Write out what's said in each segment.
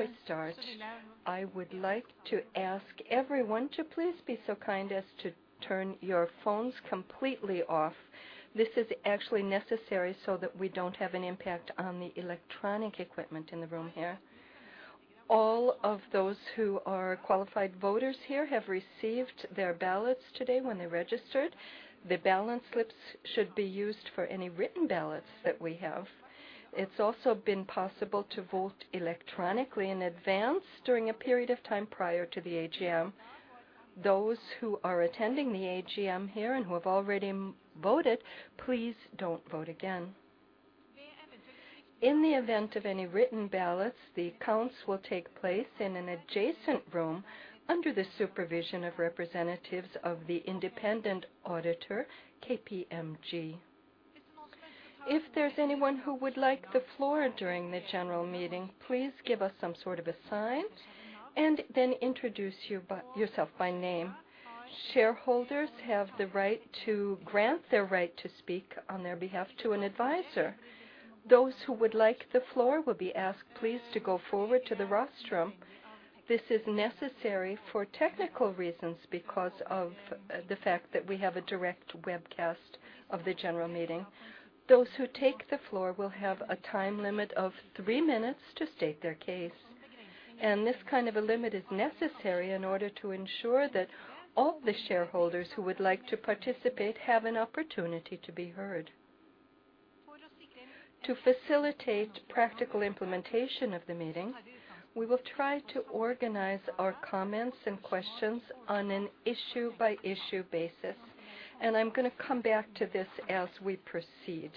Before we start, I would like to ask everyone to please be so kind as to turn your phones completely off. This is actually necessary so that we don't have an impact on the electronic equipment in the room here. All of those who are qualified voters here have received their ballots today when they registered. The ballot slips should be used for any written ballots that we have. It's also been possible to vote electronically in advance during a period of time prior to the AGM. Those who are attending the AGM here and who have already voted, please don't vote again. In the event of any written ballots, the counts will take place in an adjacent room under the supervision of representatives of the independent auditor, KPMG. If there's anyone who would like the floor during the general meeting, please give us some sort of a sign, and then introduce yourself by name. Shareholders have the right to grant their right to speak on their behalf to an advisor. Those who would like the floor will be asked, please, to go forward to the rostrum. This is necessary for technical reasons because of the fact that we have a direct webcast of the general meeting. Those who take the floor will have a time limit of three minutes to state their case. This kind of a limit is necessary in order to ensure that all the shareholders who would like to participate have an opportunity to be heard. To facilitate practical implementation of the meeting, we will try to organize our comments and questions on an issue-by-issue basis, and I'm gonna come back to this as we proceed.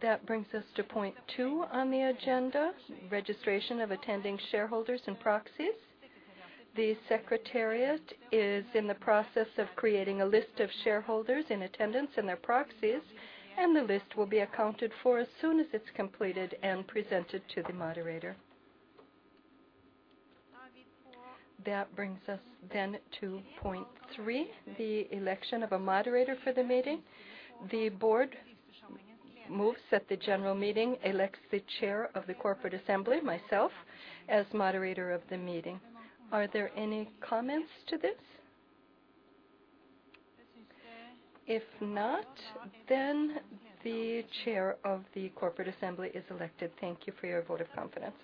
That brings us to point 2 on the agenda, registration of attending shareholders and proxies. The secretariat is in the process of creating a list of shareholders in attendance and their proxies, and the list will be accounted for as soon as it's completed and presented to the moderator. That brings us then to point 3, the election of a moderator for the meeting. The board moves that the general meeting elects the chair of the corporate assembly, myself, as moderator of the meeting. Are there any comments to this? If not, then the chair of the corporate assembly is elected. Thank you for your vote of confidence.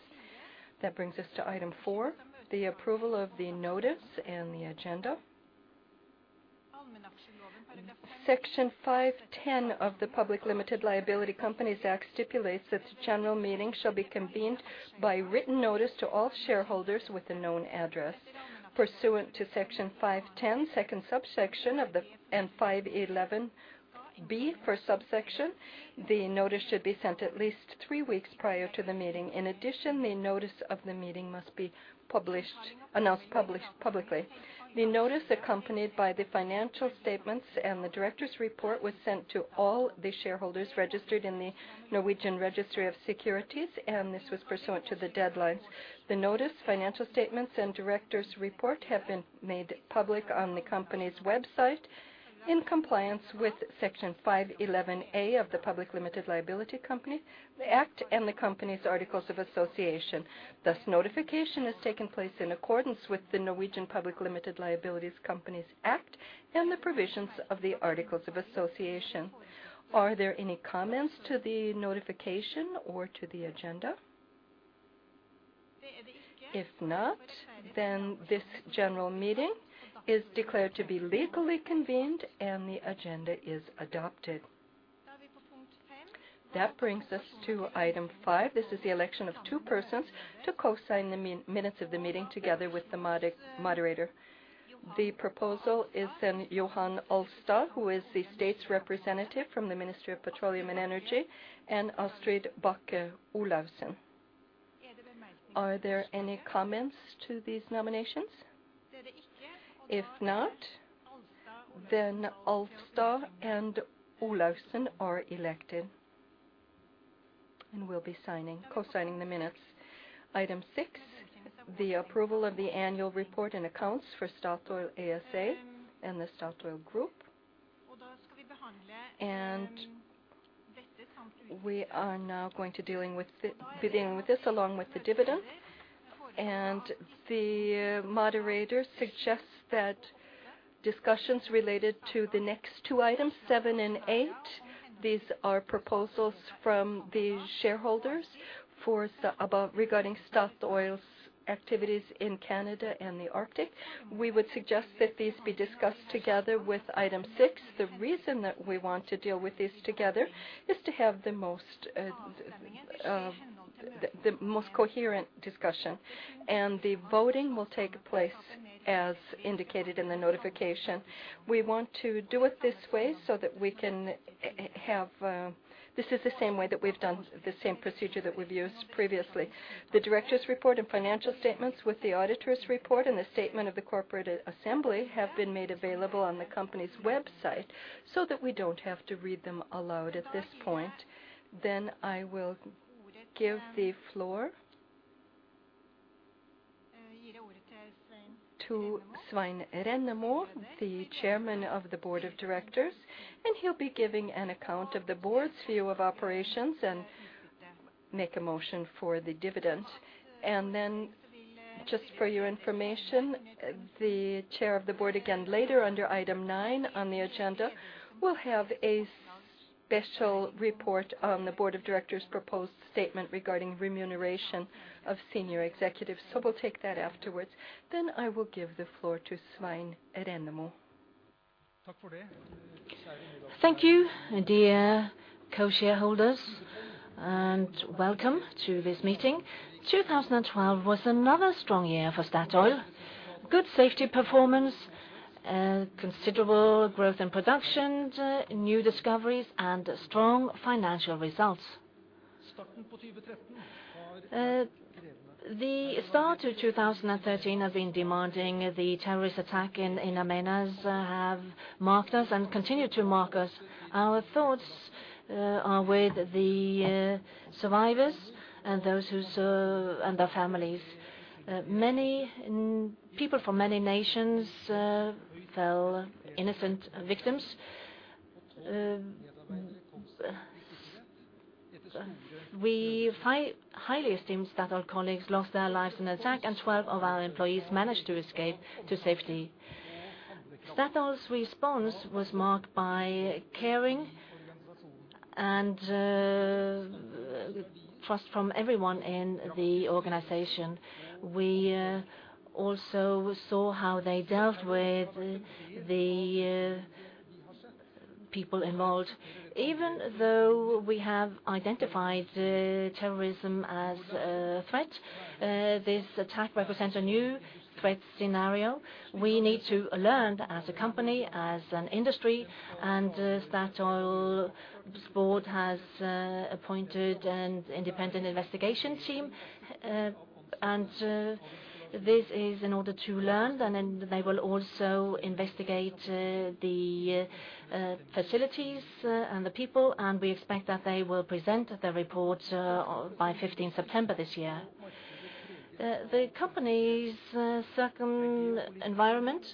That brings us to Item 4, the approval of the notice and the agenda. Section 5-10 of the Public Limited Liability Companies Act stipulates that the general meeting shall be convened by written notice to all shareholders with a known address. Pursuant to Section 5-10, second subsection, and 5-11 B, subsection, the notice should be sent at least three weeks prior to the meeting. In addition, the notice of the meeting must be published, announced publicly. The notice accompanied by the financial statements and the director's report was sent to all the shareholders registered in the Norwegian Registry of Securities, and this was pursuant to the deadlines. The notice, financial statements, and director's report have been made public on the company's website in compliance with Section 5-11 A of the Public Limited Liability Companies Act and the company's articles of association. Thus notification has taken place in accordance with the Norwegian Public Limited Liability Companies Act and the provisions of the articles of association. Are there any comments to the notification or to the agenda? If not, then this general meeting is declared to be legally convened and the agenda is adopted. That brings us to Item 5. This is the election of two persons to co-sign the minutes of the meeting together with the moderator. The proposal is then Johan A. Alstad, who is the state's representative from the Ministry of Petroleum and Energy, and Astrid Bakke Olaussen. Are there any comments to these nominations? If not, then Aalstad and Olaussen are elected and will be co-signing the minutes. Item 6, the approval of the annual report and accounts for Statoil ASA and the Statoil Group. We are now going to deal with it, beginning with this, along with the dividend. The moderator suggests that discussions related to the next two Items 7 and 8, these are proposals from the shareholders regarding Statoil's activities in Canada and the Arctic. We would suggest that these be discussed together with Item 6. The reason that we want to deal with these together is to have the most coherent discussion. The voting will take place as indicated in the notification. We want to do it this way so that we can have. This is the same procedure that we've used previously. The director's report and financial statements with the auditor's report and the statement of the corporate assembly have been made available on the company's website so that we don't have to read them aloud at this point. I will give the floor to Svein Rennemo, the Chairman of the Board of Directors, and he'll be giving an account of the board's view of operations and make a motion for the dividend. Just for your information, the chair of the board, again, later under Item 9 on the agenda, will have a special report on the board of directors' proposed statement regarding remuneration of senior executives. We'll take that afterwards. I will give the floor to Svein Rennemo. Thank you, dear co-shareholders, and welcome to this meeting. 2012 was another strong year for Statoil. Good safety performance, considerable growth in production, new discoveries, and strong financial results. The start to 2013 has been demanding. The terrorist attack in Amenas have marked us and continue to mark us. Our thoughts are with the survivors and those whose and their families. Many people from many nations fell innocent victims. We highly esteem Statoil colleagues lost their lives in attack, and 12 of our employees managed to escape to safety. Statoil's response was marked by caring and trust from everyone in the organization. We also saw how they dealt with the people involved. Even though we have identified terrorism as a threat, this attack represents a new threat scenario. We need to learn as a company, as an industry, and Statoil's board has appointed an independent investigation team. This is in order to learn, and then they will also investigate the facilities and the people, and we expect that they will present the report by fifteenth September this year. The company's second environment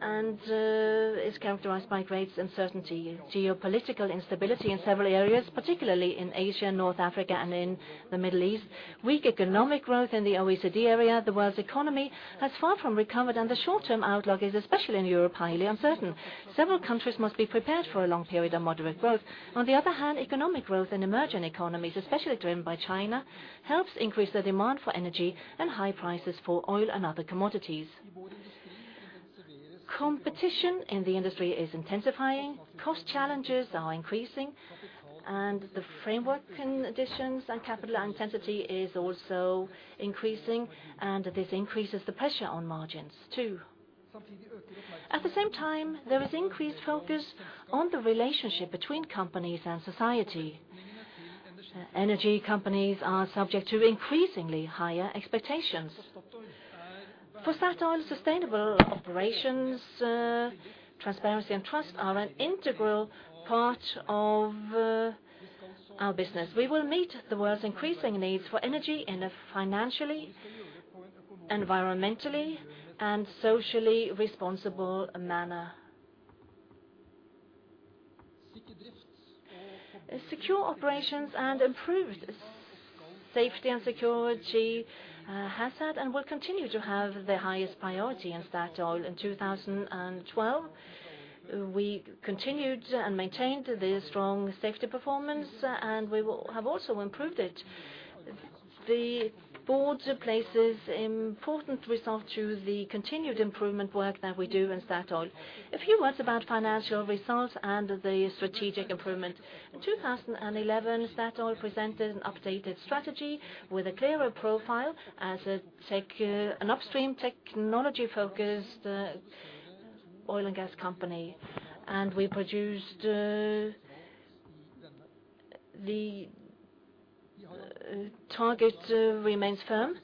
is characterized by great uncertainty. Geopolitical instability in several areas, particularly in Asia, North Africa, and in the Middle East. Weak economic growth in the OECD area. The world's economy has far from recovered, and the short-term outlook is, especially in Europe, highly uncertain. Several countries must be prepared for a long period of moderate growth. On the other hand, economic growth in emerging economies, especially driven by China, helps increase the demand for energy and high prices for oil and other commodities. Competition in the industry is intensifying, cost challenges are increasing, and the framework conditions and capital intensity is also increasing, and this increases the pressure on margins, too. At the same time, there is increased focus on the relationship between companies and society. Energy companies are subject to increasingly higher expectations. For Statoil, sustainable operations, transparency, and trust are an integral part of our business. We will meet the world's increasing needs for energy in a financially, environmentally, and socially responsible manner. Secure operations and improved safety and security has had and will continue to have the highest priority in Statoil. In 2012, we continued and maintained the strong safety performance, and we have also improved it. The board attaches great importance to the continued improvement work that we do in Statoil. A few words about financial results and the strategic improvement. In 2011, Statoil presented an updated strategy with a clearer profile as a tech, an upstream technology-focused oil and gas company. The target remains firm.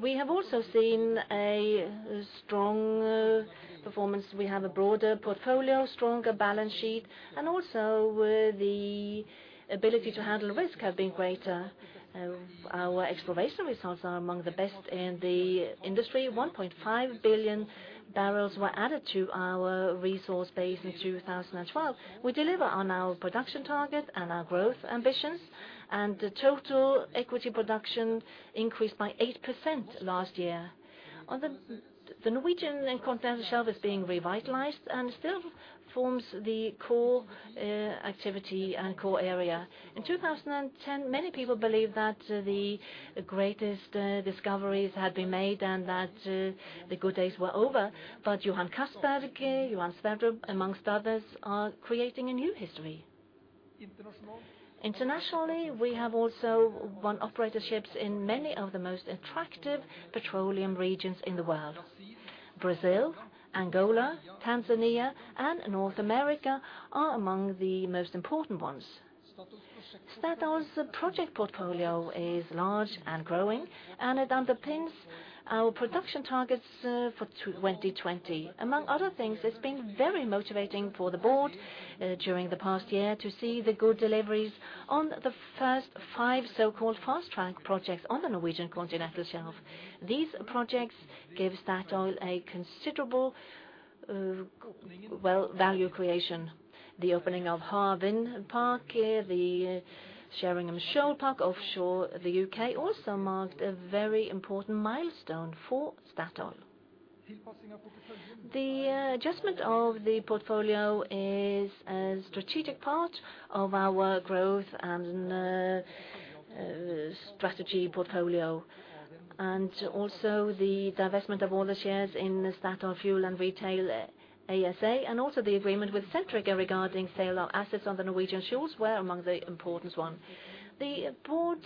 We have also seen a strong performance. We have a broader portfolio, stronger balance sheet, and also the ability to handle risk have been greater. Our exploration results are among the best in the industry. 1.5 billion barrels were added to our resource base in 2012. We deliver on our production target and our growth ambitions, and the total equity production increased by 8% last year. The Norwegian continental shelf is being revitalized and still forms the core activity and core area. In 2010, many people believed that the greatest discoveries had been made and that the good days were over. Johan Castberg, Johan Sverdrup amongst others are creating a new history. Internationally, we have also won operatorships in many of the most attractive petroleum regions in the world. Brazil, Angola, Tanzania, and North America are among the most important ones. Statoil's project portfolio is large and growing, and it underpins our production targets for 2020. Among other things, it's been very motivating for the board during the past year to see the good deliveries on the first five so-called fast-track projects on the Norwegian Continental Shelf. These projects gives Statoil a considerable value creation. The opening of Hywind Park here, the Sheringham Shoal offshore the U.K. also marked a very important milestone for Statoil. The adjustment of the portfolio is a strategic part of our growth and strategy portfolio. Also the divestment of all the shares in the Statoil Fuel & Retail ASA, and also the agreement with Centrica regarding sale of assets on the Norwegian shores were among the important one. The board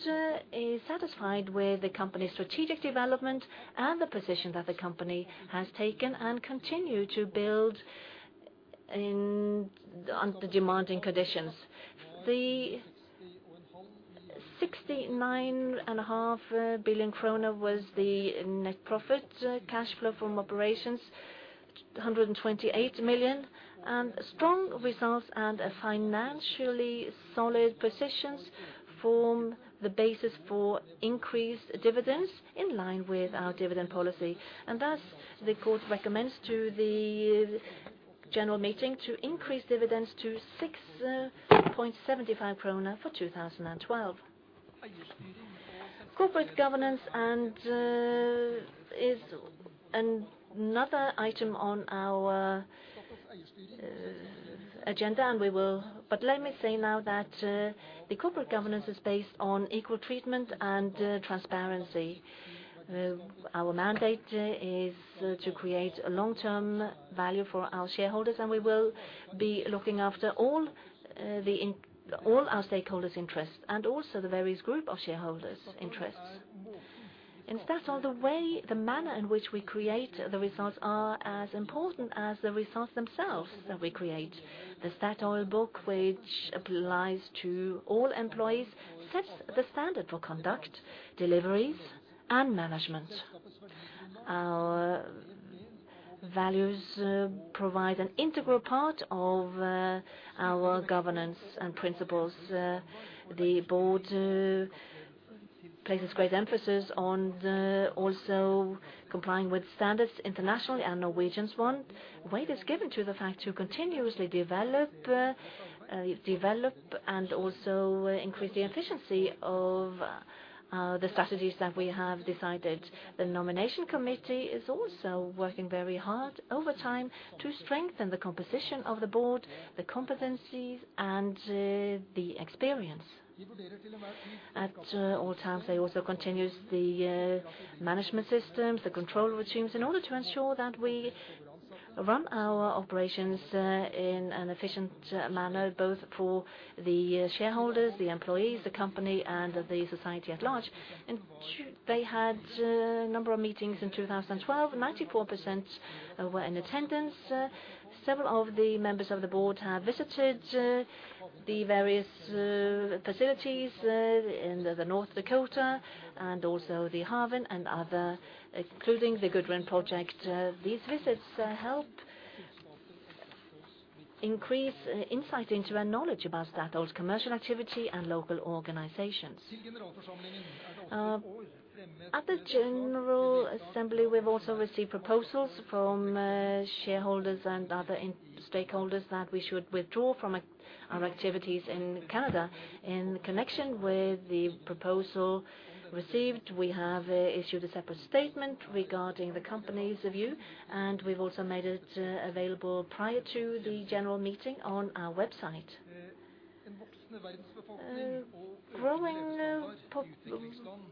is satisfied with the company's strategic development and the position that the company has taken and continue to build in, on the demanding conditions. The 69.5 billion krone was the net profit cash flow from operations, 128 million. Strong results and a financially solid positions form the basis for increased dividends in line with our dividend policy. Thus, the board recommends to the general meeting to increase dividends to 6.75 kroner for 2012. Corporate governance and is another item on our agenda, and we will, Let me say now that the corporate governance is based on equal treatment and transparency. Our mandate is to create long-term value for our shareholders, and we will be looking after all our stakeholders' interests and also the various groups of shareholders' interests. In Statoil, the way, the manner in which we create the results are as important as the results themselves that we create. The Statoil Book, which applies to all employees, sets the standard for conduct, deliveries, and management. Our values provide an integral part of our governance and principles. The board places great emphasis on also complying with standards internationally and Norwegian ones. Weight is given to the fact that we continuously develop and also increase the efficiency of the strategies that we have decided. The nomination committee is also working very hard over time to strengthen the composition of the board, the competencies, and, the experience. At all times, they also continues the, management systems, the control routines, in order to ensure that we run our operations, in an efficient manner, both for the shareholders, the employees, the company, and the society at large. They had a number of meetings in 2012. 94% were in attendance. Several of the members of the board have visited, the various, facilities, in the North Dakota and also the Hebron and other, including the Gudrun project. These visits help increase insight into our knowledge about Statoil's commercial activity and local organizations. At the general assembly, we've also received proposals from, shareholders and other stakeholders that we should withdraw from our activities in Canada. In connection with the proposal received, we have issued a separate statement regarding the company's view, and we've also made it available prior to the general meeting on our website. Growing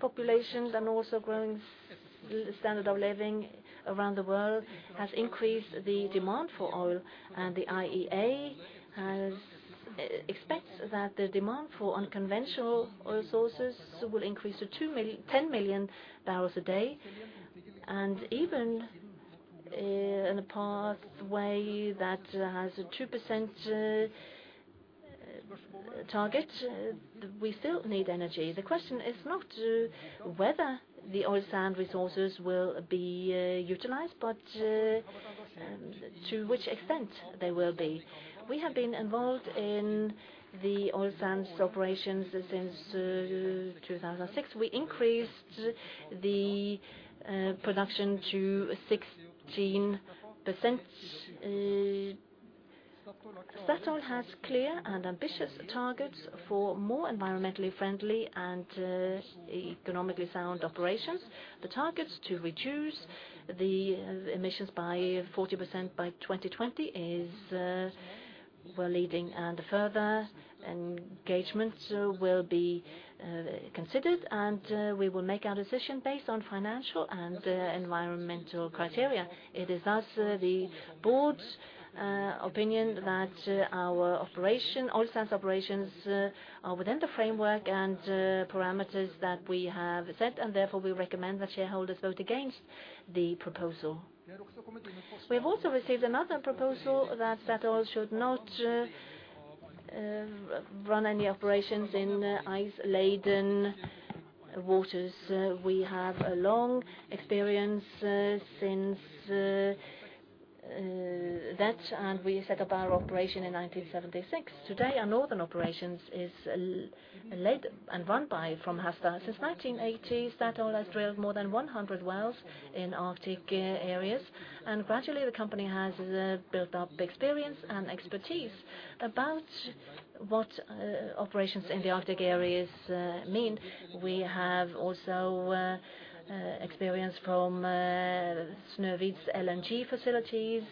populations and also growing standard of living around the world has increased the demand for oil. The IEA expects that the demand for unconventional oil sources will increase to 10 million barrels a day. Even in a pathway that has a 2% target, we still need energy. The question is not whether the oil sand resources will be utilized, but to which extent they will be. We have been involved in the oil sands operations since 2006. We increased the production to 16%. Statoil has clear and ambitious targets for more environmentally friendly and economically sound operations. The targets to reduce the emissions by 40% by 2020 is, we're leading, and further engagement will be considered, and we will make our decision based on financial and environmental criteria. It is thus the board's opinion that our operation, oil sands operations, are within the framework and parameters that we have set, and therefore, we recommend that shareholders vote against the proposal. We have also received another proposal that Statoil should not run any operations in ice-laden waters. We have a long experience since that and we set up our operation in 1976. Today, our northern operations is led and run from Harstad. Since 1980, Statoil has drilled more than 100 wells in Arctic areas. Gradually the company has built up experience and expertise about what operations in the Arctic areas mean. We have also experience from Snøhvit's LNG facilities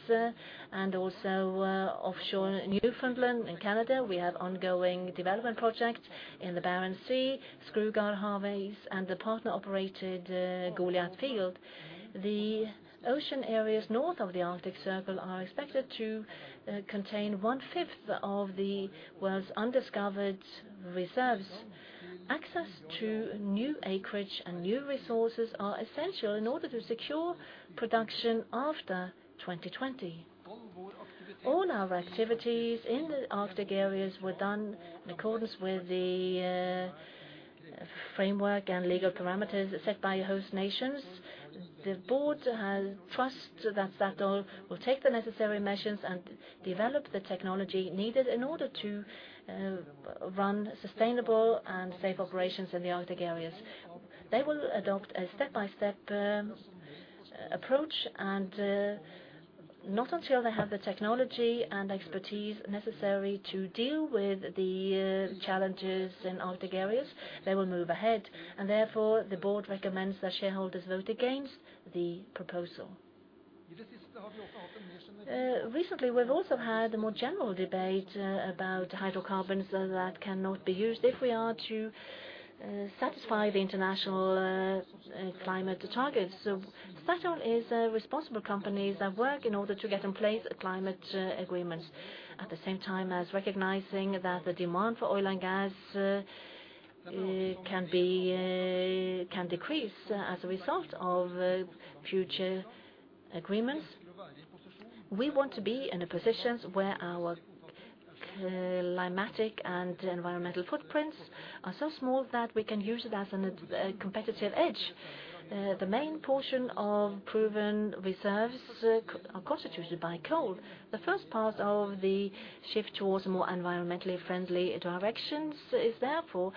and also offshore Newfoundland in Canada. We have ongoing development projects in the Barents Sea, Skrugard/Havis, and the partner-operated Goliat field. The ocean areas north of the Arctic Circle are expected to contain one-fifth of the world's undiscovered reserves. Access to new acreage and new resources are essential in order to secure production after 2020. All our activities in the Arctic areas were done in accordance with the framework and legal parameters set by host nations. The board has trust that Statoil will take the necessary measures and develop the technology needed in order to run sustainable and safe operations in the Arctic areas. They will adopt a step-by-step approach, and not until they have the technology and expertise necessary to deal with the challenges in Arctic areas, they will move ahead. Therefore, the board recommends that shareholders vote against the proposal. Recently, we've also had a more general debate about hydrocarbons that cannot be used if we are to satisfy the international climate targets. Statoil is a responsible company that work in order to get in place climate agreements. At the same time as recognizing that the demand for oil and gas can decrease as a result of future agreements. We want to be in a position where our climatic and environmental footprints are so small that we can use it as a competitive edge. The main portion of proven reserves are constituted by coal. The first part of the shift towards more environmentally friendly directions is therefore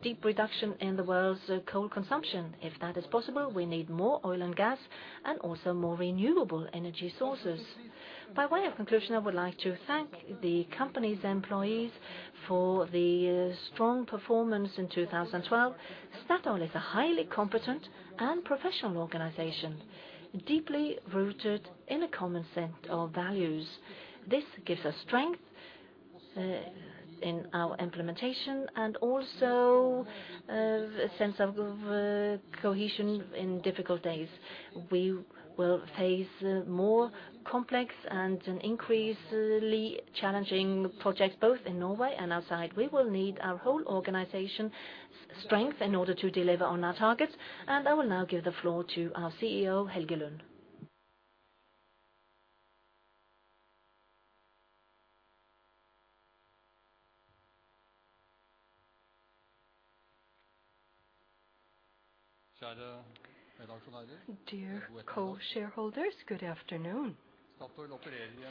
a steep reduction in the world's coal consumption. If that is possible, we need more oil and gas and also more renewable energy sources. By way of conclusion, I would like to thank the company's employees for the strong performance in 2012. Statoil is a highly competent and professional organization, deeply rooted in a common set of values. This gives us strength in our implementation and also a sense of cohesion in difficult days. We will face more complex and an increasingly challenging project both in Norway and outside. We will need our whole organization strength in order to deliver on our targets. I will now give the floor to our CEO, Helge Lund. Dear co-shareholders, good afternoon.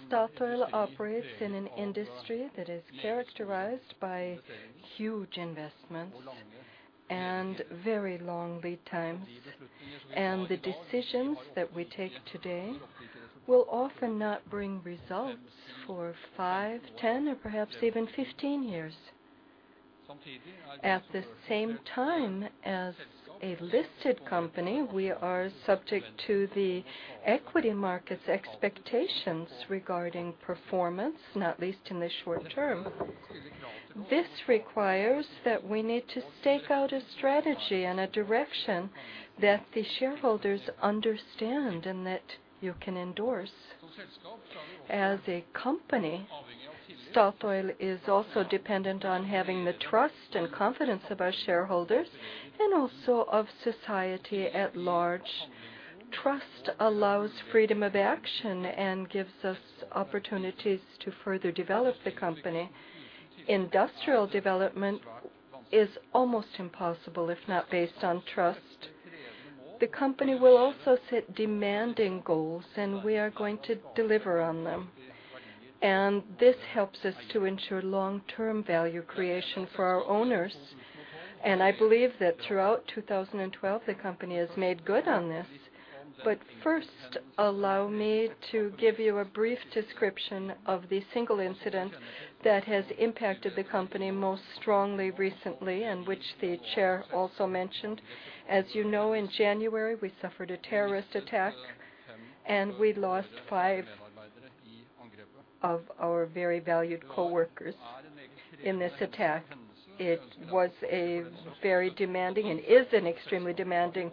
Statoil operates in an industry that is characterized by huge investments and very long lead times. The decisions that we take today will often not bring results for 5, 10, or perhaps even 15 years. At the same time as a listed company, we are subject to the equity market's expectations regarding performance, not least in the short term. This requires that we need to stake out a strategy and a direction that the shareholders understand and that you can endorse. As a company, Statoil is also dependent on having the trust and confidence of our shareholders and also of society at large. Trust allows freedom of action and gives us opportunities to further develop the company. Industrial development is almost impossible, if not based on trust. The company will also set demanding goals, and we are going to deliver on them. This helps us to ensure long-term value creation for our owners. I believe that throughout 2012, the company has made good on this. First, allow me to give you a brief description of the single incident that has impacted the company most strongly recently, and which the chair also mentioned. As you know, in January, we suffered a terrorist attack, and we lost five of our very valued coworkers in this attack. It was a very demanding and is an extremely demanding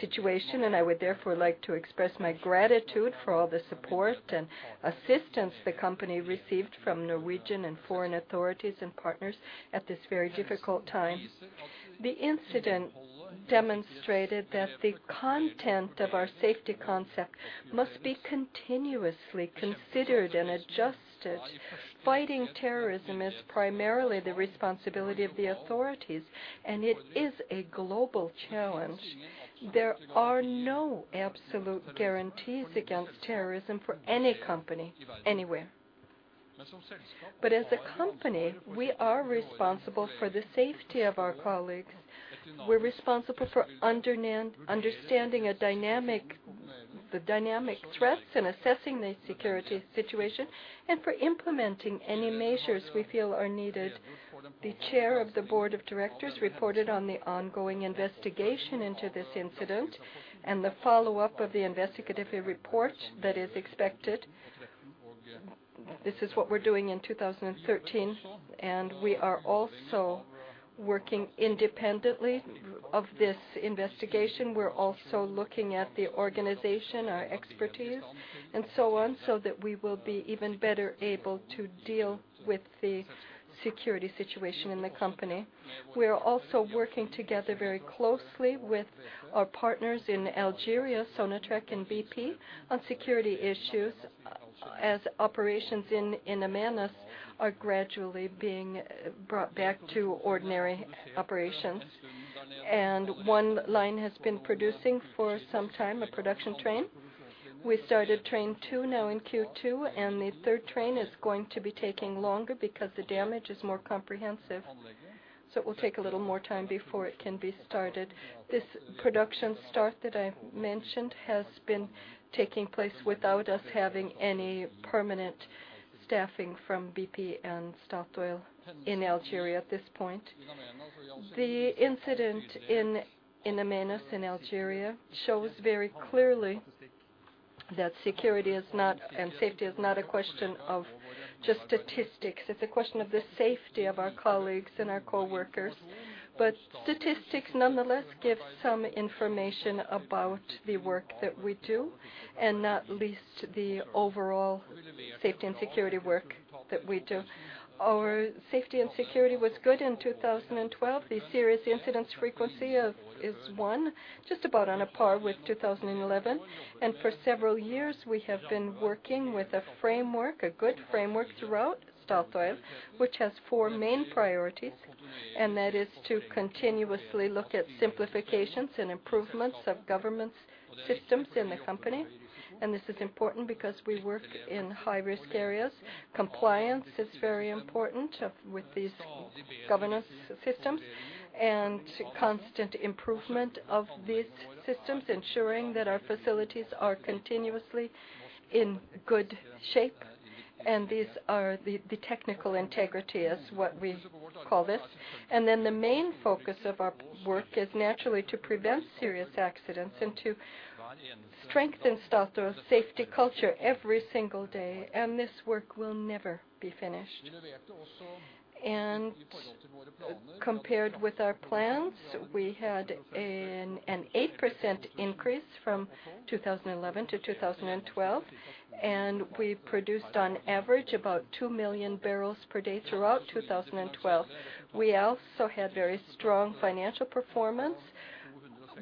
situation, and I would therefore like to express my gratitude for all the support and assistance the company received from Norwegian and foreign authorities and partners at this very difficult time. The incident demonstrated that the content of our safety concept must be continuously considered and adjusted. Fighting terrorism is primarily the responsibility of the authorities, and it is a global challenge. There are no absolute guarantees against terrorism for any company anywhere. As a company, we are responsible for the safety of our colleagues. We're responsible for understanding the dynamic threats and assessing the security situation, and for implementing any measures we feel are needed. The chair of the board of directors reported on the ongoing investigation into this incident and the follow-up of the investigative report that is expected. This is what we're doing in 2013, and we are also working independently of this investigation. We're also looking at the organization, our expertise, and so on, so that we will be even better able to deal with the security situation in the company. We are also working together very closely with our partners in Algeria, Sonatrach and BP, on security issues as operations in In Aménas are gradually being brought back to ordinary operations. One line has been producing for some time, a production train. We started train 2 now in Q2, and the third train is going to be taking longer because the damage is more comprehensive. It will take a little more time before it can be started. This production start that I mentioned has been taking place without us having any permanent staffing from BP and Statoil in Algeria at this point. The incident in Aménas in Algeria shows very clearly that security is not, and safety is not a question of just statistics. It's a question of the safety of our colleagues and our coworkers. Statistics nonetheless give some information about the work that we do, and not least the overall safety and security work that we do. Our safety and security was good in 2012. The serious incident frequency is one, just about on a par with 2011. For several years, we have been working with a framework, a good framework throughout Statoil, which has four main priorities, and that is to continuously look at simplifications and improvements of governance systems in the company. This is important because we work in high-risk areas. Compliance is very important with these governance systems, and constant improvement of these systems, ensuring that our facilities are continuously in good shape. These are the technical integrity is what we call this. The main focus of our work is naturally to prevent serious accidents and to strengthen Statoil's safety culture every single day, and this work will never be finished. Compared with our plans, we had an 8% increase from 2011 to 2012, and we produced on average about 2 million barrels per day throughout 2012. We also had very strong financial performance.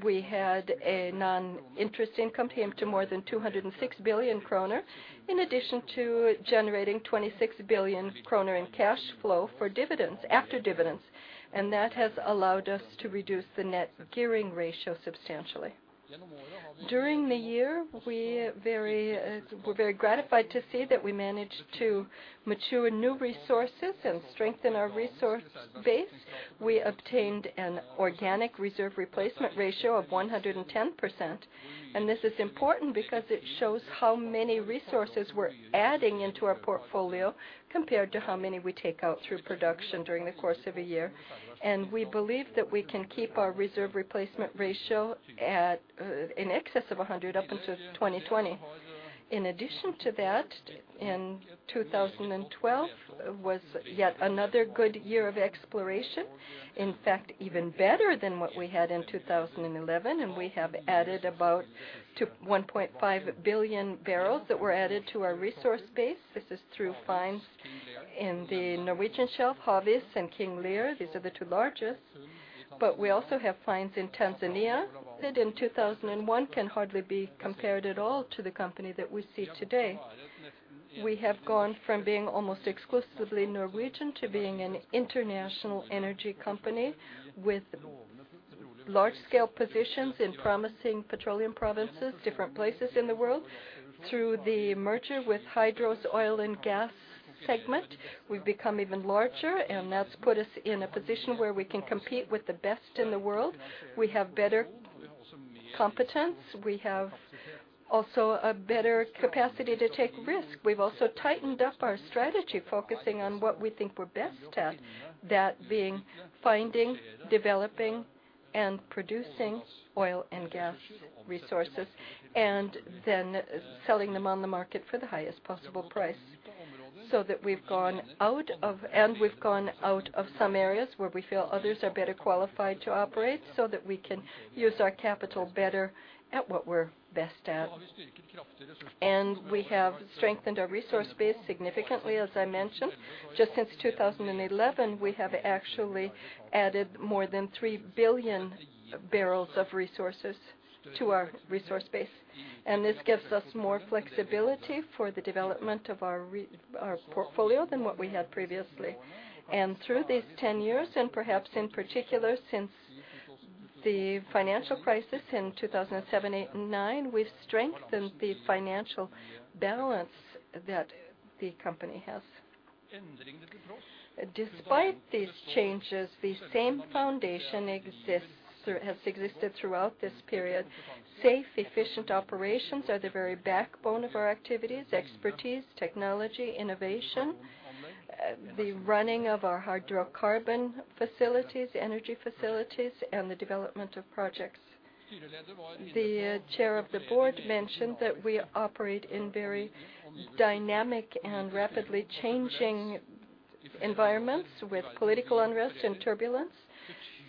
We had a non-interest income came to more than 206 billion kroner, in addition to generating 26 billion kroner in cash flow for dividends, after dividends. That has allowed us to reduce the net gearing ratio substantially. During the year, we're very gratified to see that we managed to mature new resources and strengthen our resource base. We obtained an organic reserve replacement ratio of 110%. This is important because it shows how many resources we're adding into our portfolio compared to how many we take out through production during the course of a year. We believe that we can keep our reserve replacement ratio at in excess of 100 up until 2020. In addition to that, 2012 was yet another good year of exploration. In fact, even better than what we had in 2011, and we have added about 1.5 billion barrels that were added to our resource base. This is through finds in the Norwegian shelf, Havis and Skrugard. These are the two largest. We also have finds in Tanzania. In 2001 can hardly be compared at all to the company that we see today. We have gone from being almost exclusively Norwegian to being an international energy company with large-scale positions in promising petroleum provinces, different places in the world. Through the merger with Hydro's oil and gas segment, we've become even larger, and that's put us in a position where we can compete with the best in the world. We have better competence. We have also a better capacity to take risk. We've also tightened up our strategy, focusing on what we think we're best at, that being finding, developing, and producing oil and gas resources, and then selling them on the market for the highest possible price, so that we've gone out of some areas where we feel others are better qualified to operate so that we can use our capital better at what we're best at. We have strengthened our resource base significantly, as I mentioned. Just since 2011, we have actually added more than 3 billion barrels of resources to our resource base, and this gives us more flexibility for the development of our portfolio than what we had previously. Through these 10 years, and perhaps in particular since the financial crisis in 2007, 2008, and 2009, we strengthened the financial balance that the company has. Despite these changes, the same foundation has existed throughout this period. Safe, efficient operations are the very backbone of our activities, expertise, technology, innovation, the running of our hydrocarbon facilities, energy facilities, and the development of projects. The chair of the board mentioned that we operate in very dynamic and rapidly changing environments with political unrest and turbulence.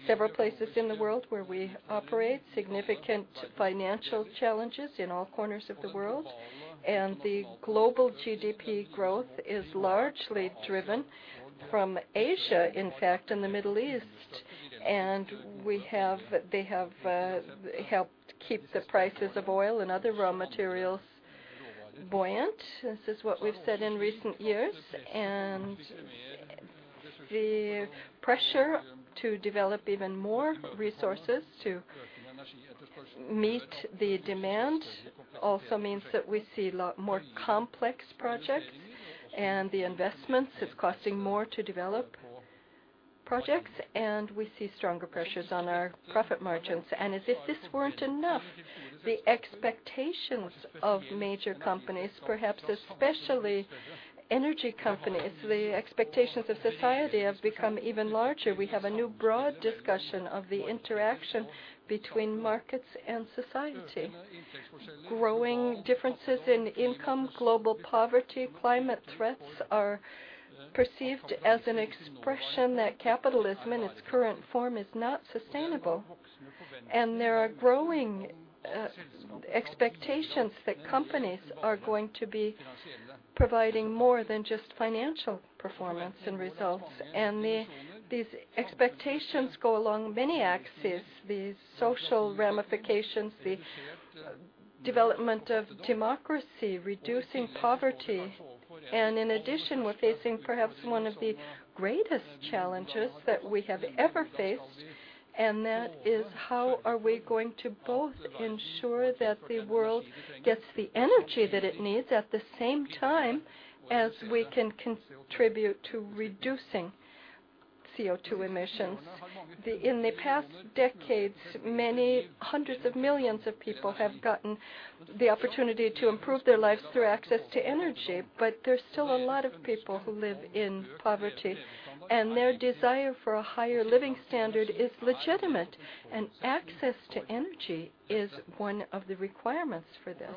Several places in the world where we operate significant financial challenges in all corners of the world, and the global GDP growth is largely driven from Asia, in fact, and the Middle East. They have helped keep the prices of oil and other raw materials buoyant. This is what we've said in recent years. The pressure to develop even more resources to meet the demand also means that we see lot more complex projects, and the investments, it's costing more to develop projects, and we see stronger pressures on our profit margins. As if this weren't enough, the expectations of major companies, perhaps especially energy companies, the expectations of society have become even larger. We have a new broad discussion of the interaction between markets and society. Growing differences in income, global poverty, climate threats are perceived as an expression that capitalism in its current form is not sustainable, and there are growing expectations that companies are going to be providing more than just financial performance and results. These expectations go along many axes, the social ramifications, the development of democracy, reducing poverty. In addition, we're facing perhaps one of the greatest challenges that we have ever faced, and that is. How are we going to both ensure that the world gets the energy that it needs at the same time as we can contribute to reducing CO2 emissions? In the past decades, many hundreds of millions of people have gotten the opportunity to improve their lives through access to energy, but there's still a lot of people who live in poverty, and their desire for a higher living standard is legitimate, and access to energy is one of the requirements for this.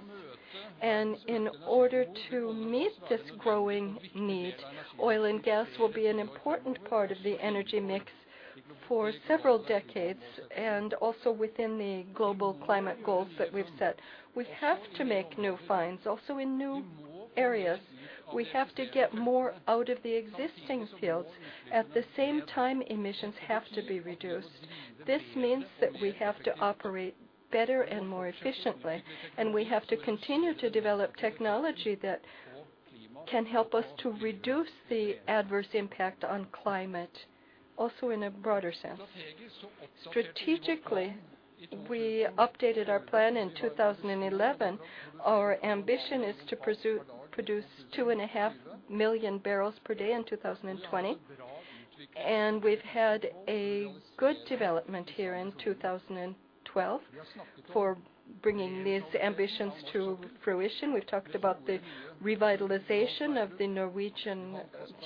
In order to meet this growing need, oil and gas will be an important part of the energy mix for several decades, and also within the global climate goals that we've set. We have to make new finds also in new areas. We have to get more out of the existing fields. At the same time, emissions have to be reduced. This means that we have to operate better and more efficiently, and we have to continue to develop technology that can help us to reduce the adverse impact on climate, also in a broader sense. Strategically, we updated our plan in 2011. Our ambition is to produce 2.5 million barrels per day in 2020, and we've had a good development here in 2012 for bringing these ambitions to fruition. We've talked about the revitalization of the Norwegian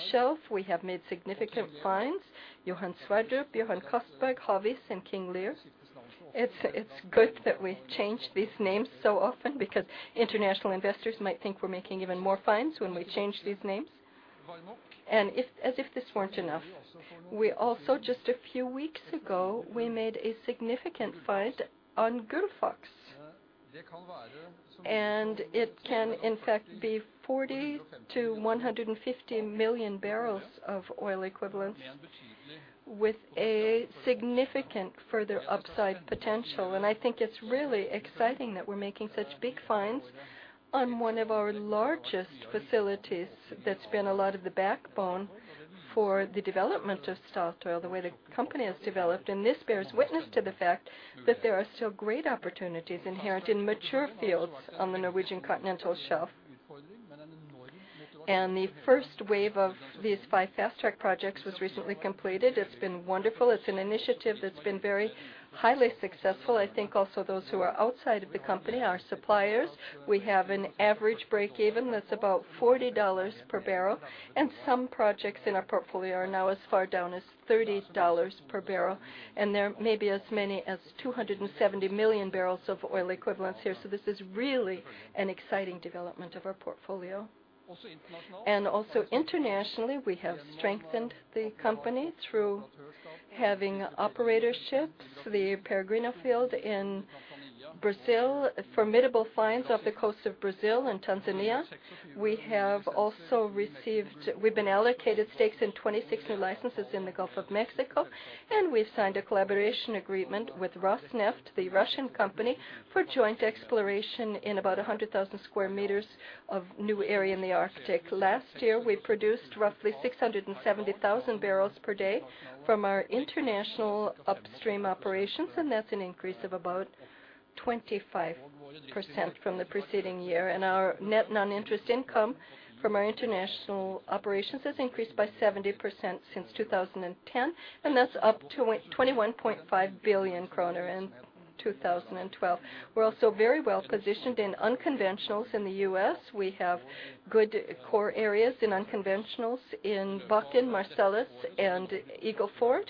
Shelf. We have made significant finds, Johan Sverdrup, Johan Castberg, Havis and King Lear. It's good that we change these names so often because international investors might think we're making even more finds when we change these names. As if this weren't enough, we also just a few weeks ago made a significant find on Gullfaks. It can, in fact, be 40-150 million barrels of oil equivalent with a significant further upside potential. I think it's really exciting that we're making such big finds on one of our largest facilities that's been a lot of the backbone for the development of Statoil, the way the company has developed, and this bears witness to the fact that there are still great opportunities inherent in mature fields on the Norwegian continental shelf. The first wave of these five fast-track projects was recently completed. It's been wonderful. It's an initiative that's been very highly successful. I think also those who are outside of the company are suppliers. We have an average breakeven that's about $40 per barrel, and some projects in our portfolio are now as low as $30 per barrel, and there may be as many as 270 million barrels of oil equivalents here, so this is really an exciting development of our portfolio. Also internationally, we have strengthened the company through having operatorships, the Peregrino field in Brazil, formidable finds off the coast of Brazil and Tanzania. We have also received. We've been allocated stakes in 26 new licenses in the Gulf of Mexico, and we've signed a collaboration agreement with Rosneft, the Russian company, for joint exploration in about 100,000 square kilometers of new area in the Arctic. Last year, we produced roughly 670,000 barrels per day from our international upstream operations, and that's an increase of about 25% from the preceding year. Our net interest income from our international operations has increased by 70% since 2010, and that's up to 21.5 billion kroner in 2012. We're also very well-positioned in unconventionals in the US. We have good core areas in unconventionals in Bakken, Marcellus, and Eagle Ford.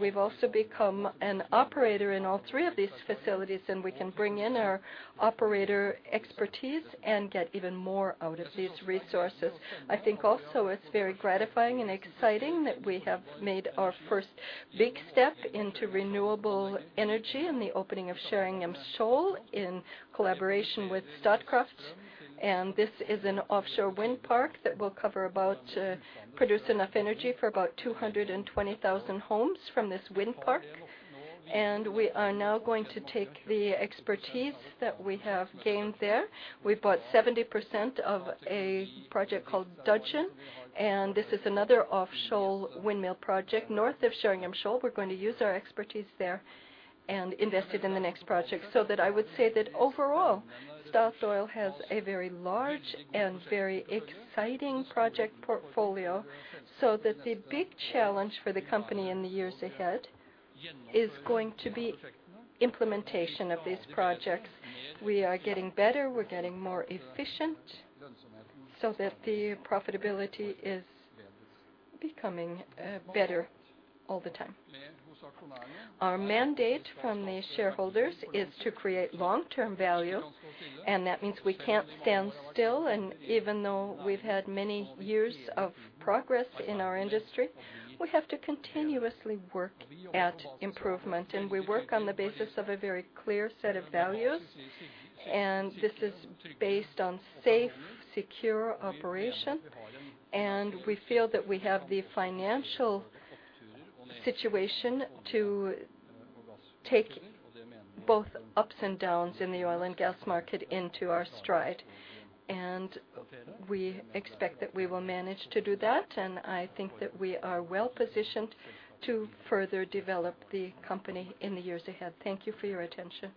We've also become an operator in all three of these facilities, and we can bring in our operator expertise and get even more out of these resources. I think also it's very gratifying and exciting that we have made our first big step into renewable energy in the opening of Sheringham Shoal in collaboration with Statkraft. This is an offshore wind park that will produce enough energy for about 220,000 homes from this wind park. We are now going to take the expertise that we have gained there. We bought 70% of a project called Dudgeon, and this is another offshore windmill project north of Sheringham Shoal. We're going to use our expertise there and invest it in the next project. That I would say that overall, Statoil has a very large and very exciting project portfolio, so that the big challenge for the company in the years ahead is going to be implementation of these projects. We are getting better, we're getting more efficient so that the profitability is becoming better all the time. Our mandate from the shareholders is to create long-term value, and that means we can't stand still. Even though we've had many years of progress in our industry, we have to continuously work at improvement. We work on the basis of a very clear set of values, and this is based on safe, secure operation. We feel that we have the financial situation to take both ups and downs in the oil and gas market into our stride. We expect that we will manage to do that, and I think that we are well-positioned to further develop the company in the years ahead. Thank you for your attention.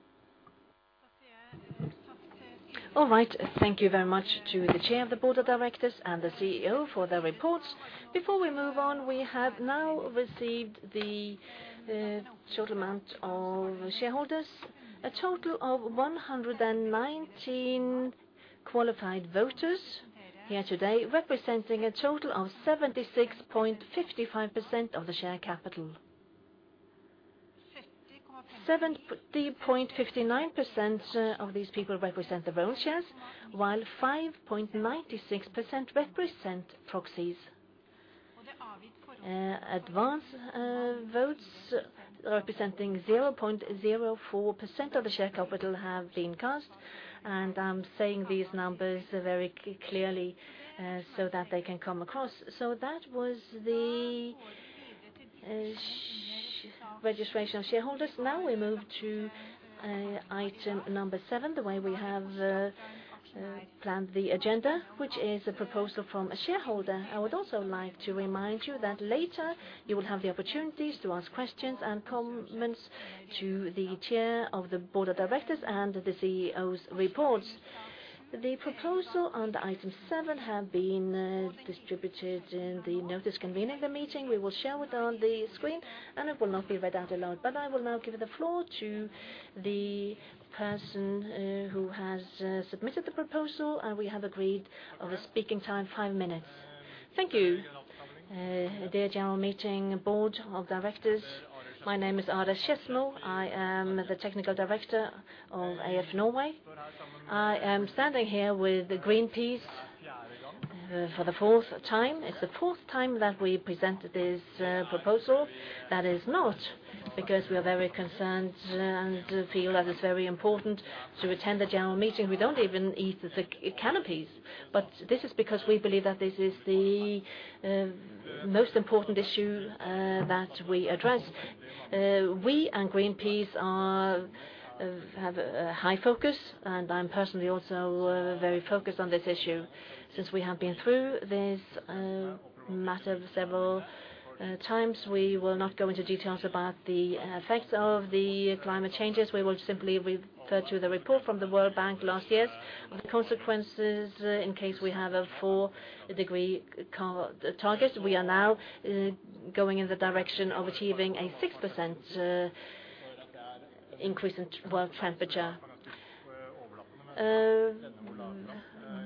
All right. Thank you very much to the Chair of the Board of Directors and the CEO for their reports. Before we move on, we have now received the total amount of shareholders, a total of 119 qualified voters here today, representing a total of 76.55% of the share capital. 70.59% of these people represent the voting shares, while 5.96% represent proxies. Advance votes representing 0.04% of the share capital have been cast. I'm saying these numbers very clearly so that they can come across. That was the registration of shareholders. Now we move to Item 7, the way we have planned the agenda, which is a proposal from a shareholder. I would also like to remind you that later you will have the opportunities to ask questions and comments to the Chair of the Board of Directors and the CEO's reports. The proposal under Item 7 have been distributed in the notice convening the meeting. We will share it on the screen, and it will not be read out aloud. I will now give the floor to the person who has submitted the proposal, and we have agreed on a speaking time, 5 minutes. Thank you, dear general meeting Board of Directors. My name is Are Sczesny. I am the Technical Director of AF Norway. I am standing here with Greenpeace for the fourth time. It's the fourth time that we present this proposal. That is not because we are very concerned and feel that it's very important to attend the general meeting. We don't even eat the canopies. This is because we believe that this is the most important issue that we address. We and Greenpeace have a high focus, and I'm personally also very focused on this issue. Since we have been through this matter several times, we will not go into details about the effects of the climate changes. We will simply refer to the report from the World Bank last year of the consequences in case we have a 4-degree C target. We are now going in the direction of achieving a 6% increase in world temperature.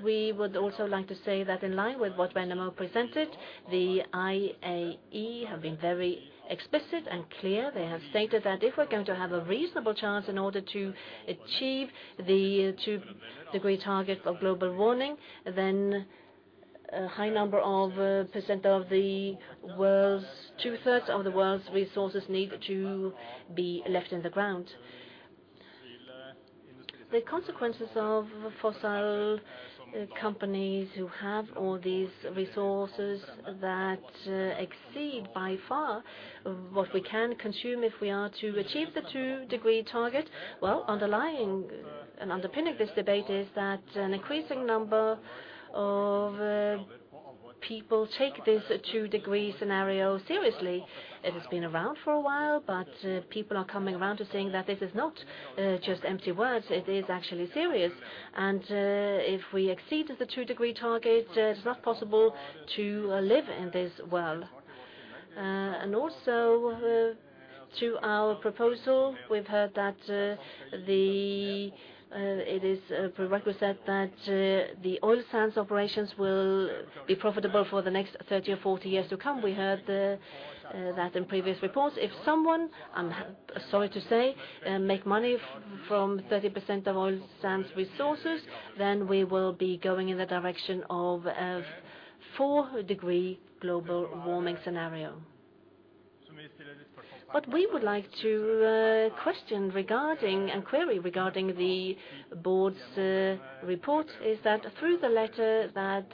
We would also like to say that in line with what Benjamin presented, the IEA have been very explicit and clear. They have stated that if we're going to have a reasonable chance in order to achieve the 2-degree target of global warming, then two-thirds of the world's resources need to be left in the ground. The consequences of fossil companies who have all these resources that exceed by far what we can consume if we are to achieve the 2-degree target. Well, underlying and underpinning this debate is that an increasing number of people take this 2-degree scenario seriously. It has been around for a while, but people are coming around to saying that this is not just empty words, it is actually serious. If we exceed the 2-degree target, it is not possible to live in this world. Through our proposal, we've heard that it is a prerequisite that the oil sands operations will be profitable for the next 30 or 40 years to come. We heard that in previous reports. If someone, I'm sorry to say, make money from 30% of oil sands resources, then we will be going in the direction of a 4-degree global warming scenario. What we would like to question regarding, and query regarding the board's report is that through the letter that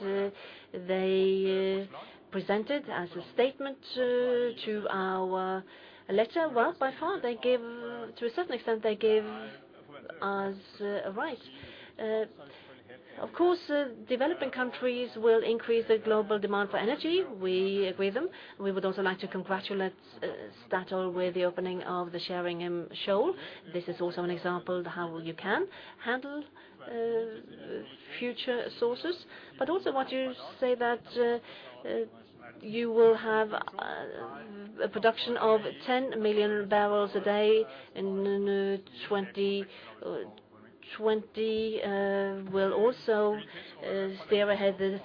they presented as a statement to our letter. Well, by far, to a certain extent, they give us a right. Of course, developing countries will increase the global demand for energy. We agree them. We would also like to congratulate Statoil with the opening of the Sheringham Shoal. This is also an example of how you can handle future sources. Also what you say that you will have a production of 10 million barrels a day in 2020 will also lead to the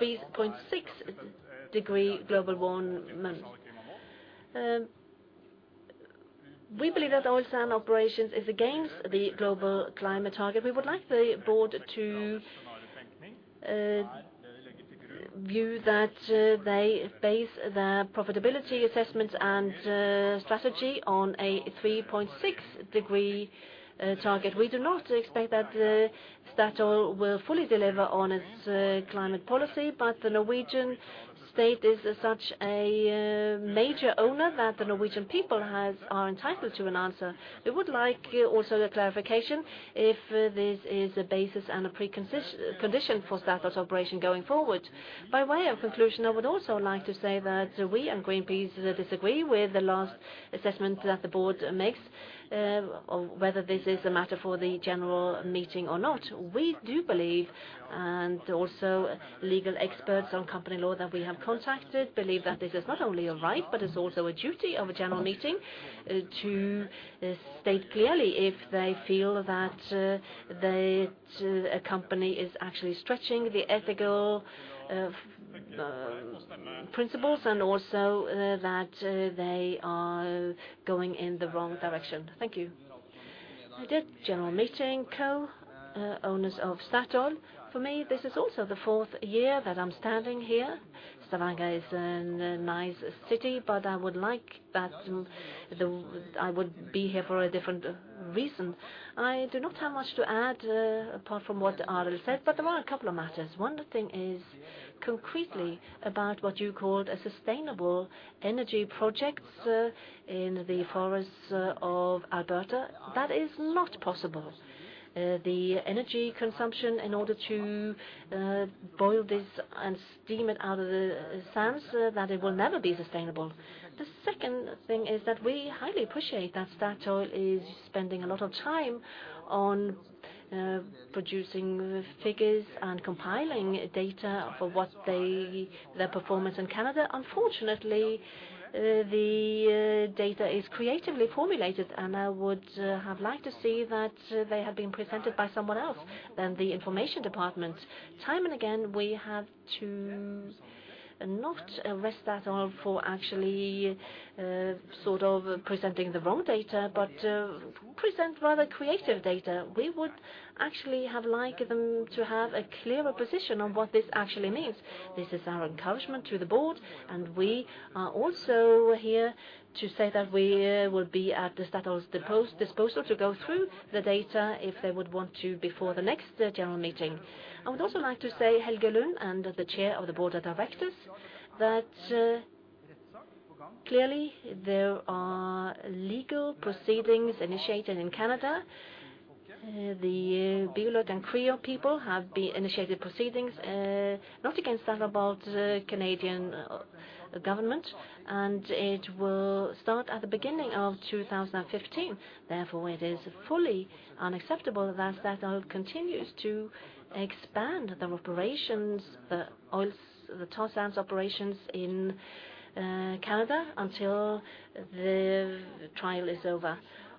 3.6-degree global warming. We believe that oil sands operations is against the global climate target. We would like the board to view that they base their profitability assessments and strategy on a 3.6-degree target. We do not expect that Statoil will fully deliver on its climate policy, but the Norwegian state is such a major owner that the Norwegian people are entitled to an answer. We would like also a clarification if this is a basis and a precondition for Statoil's operation going forward. By way of conclusion, I would also like to say that we and Greenpeace disagree with the last assessment that the board makes whether this is a matter for the general meeting or not. We do believe, and also legal experts on company law that we have contacted, believe that this is not only a right, but it's also a duty of a general meeting to state clearly if they feel that a company is actually stretching the ethical principles and also that they are going in the wrong direction. Thank you. General Meeting Co, Owners of Statoil. For me, this is also the fourth year that I'm standing here. Stavanger is a nice city, but I would like that I would be here for a different reason. I do not have much to add, apart from what Arild said, but there are a couple of matters. One thing is concretely about what you called a sustainable energy project in the forests of Alberta. That is not possible. The energy consumption in order to boil this and steam it out of the sands, that it will never be sustainable. The second thing is that we highly appreciate that Statoil is spending a lot of time on producing figures and compiling data for what they, their performance in Canada. Unfortunately, the data is creatively formulated, and I would have liked to see that they have been presented by someone else than the information department. Time and again, we have to not arrest Statoil for actually, sort of presenting the wrong data, but present rather creative data. We would actually have liked them to have a clearer position on what this actually means. This is our encouragement to the board, and we are also here to say that we will be at the Statoil's disposal to go through the data if they would want to before the next general meeting. I would also like to say, Helge Lund, and the Chair of the Board of Directors, that clearly, there are legal proceedings initiated in Canada. The Beaver Lake Cree people have initiated proceedings, not against Statoil, but the Canadian government, and it will start at the beginning of 2015. Therefore, it is fully unacceptable that Statoil continues to expand their operations, the oil, the tar sands operations in Canada until the trial is over.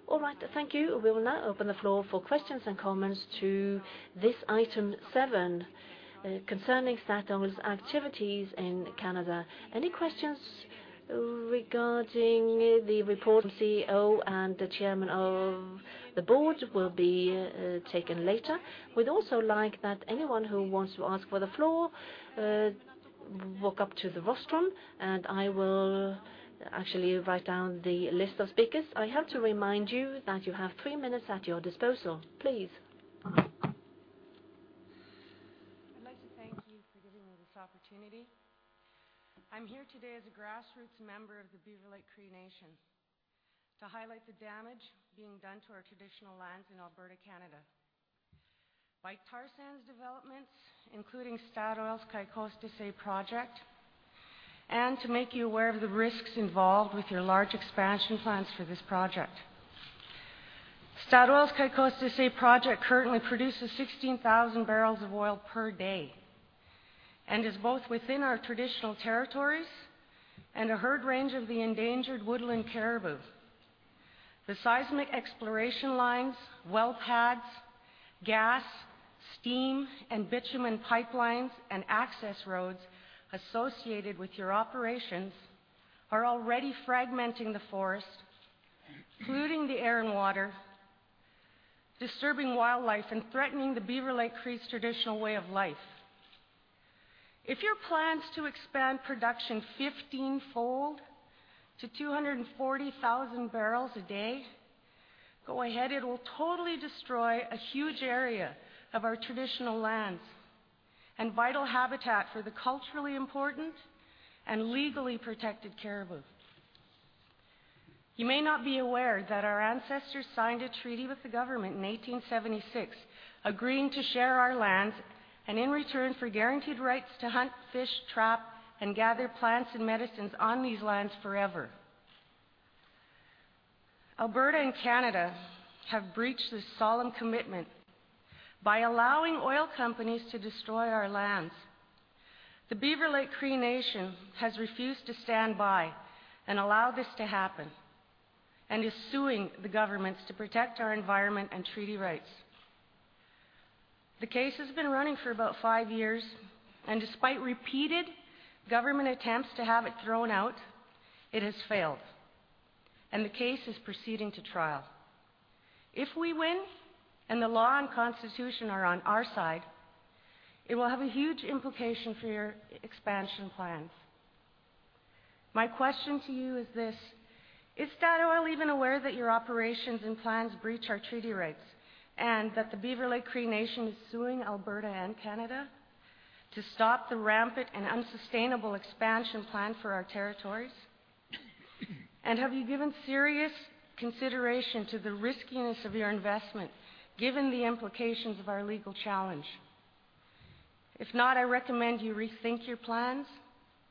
All right. Thank you. We will now open the floor for questions and comments to this Item 7, concerning Statoil's activities in Canada. Any questions? Regarding the report, CEO and the chairman of the board will be taken later. We'd also like that anyone who wants to ask for the floor, walk up to the rostrum, and I will actually write down the list of speakers. I have to remind you that you have 3 minutes at your disposal. Please. I'd like to thank you for giving me this opportunity. I'm here today as a grassroots member of the Beaver Lake Cree Nation to highlight the damage being done to our traditional lands in Alberta, Canada by tar sands developments, including Statoil's Kai Kos Dehseh project, and to make you aware of the risks involved with your large expansion plans for this project. Statoil's Kai Kos Dehseh project currently produces 16,000 barrels of oil per day and is both within our traditional territories and a herd range of the endangered woodland caribou. The seismic exploration lines, well pads, gas, steam, and bitumen pipelines, and access roads associated with your operations are already fragmenting the forest, polluting the air and water, disturbing wildlife, and threatening the Beaver Lake Cree's traditional way of life. If your plans to expand production 15-fold to 240,000 barrels a day go ahead, it will totally destroy a huge area of our traditional lands and vital habitat for the culturally important and legally protected caribou. You may not be aware that our ancestors signed a treaty with the government in 1876, agreeing to share our lands and in return for guaranteed rights to hunt, fish, trap, and gather plants and medicines on these lands forever. Alberta and Canada have breached this solemn commitment by allowing oil companies to destroy our lands. The Beaver Lake Cree Nation has refused to stand by and allow this to happen and is suing the governments to protect our environment and treaty rights. The case has been running for about five years, and despite repeated government attempts to have it thrown out, it has failed, and the case is proceeding to trial. If we win, and the law and constitution are on our side, it will have a huge implication for your expansion plans. My question to you is this. Is Statoil even aware that your operations and plans breach our treaty rights, and that the Beaver Lake Cree Nation is suing Alberta and Canada to stop the rampant and unsustainable expansion plan for our territories? Have you given serious consideration to the riskiness of your investment, given the implications of our legal challenge? If not, I recommend you rethink your plans,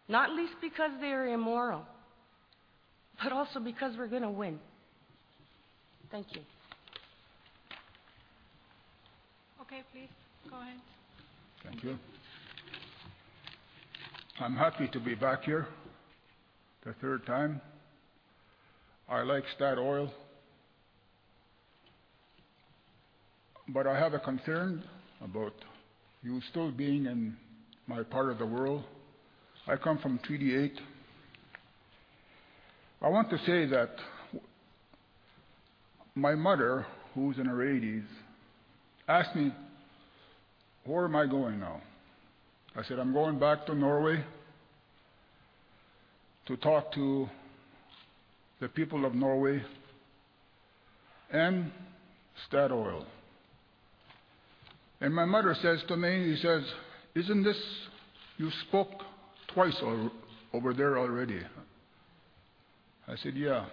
not least because they are immoral, but also because we're gonna win. Thank you. Okay. Please go ahead. Thank you. I'm happy to be back here the third time. I like Statoil, but I have a concern about you still being in my part of the world. I come from Treaty 8. I want to say that my mother, who's in her eighties, asked me where am I going now. I said, "I'm going back to Norway to talk to the people of Norway and Statoil." My mother says to me, she says, "You spoke twice over there already?" I said, "Yeah.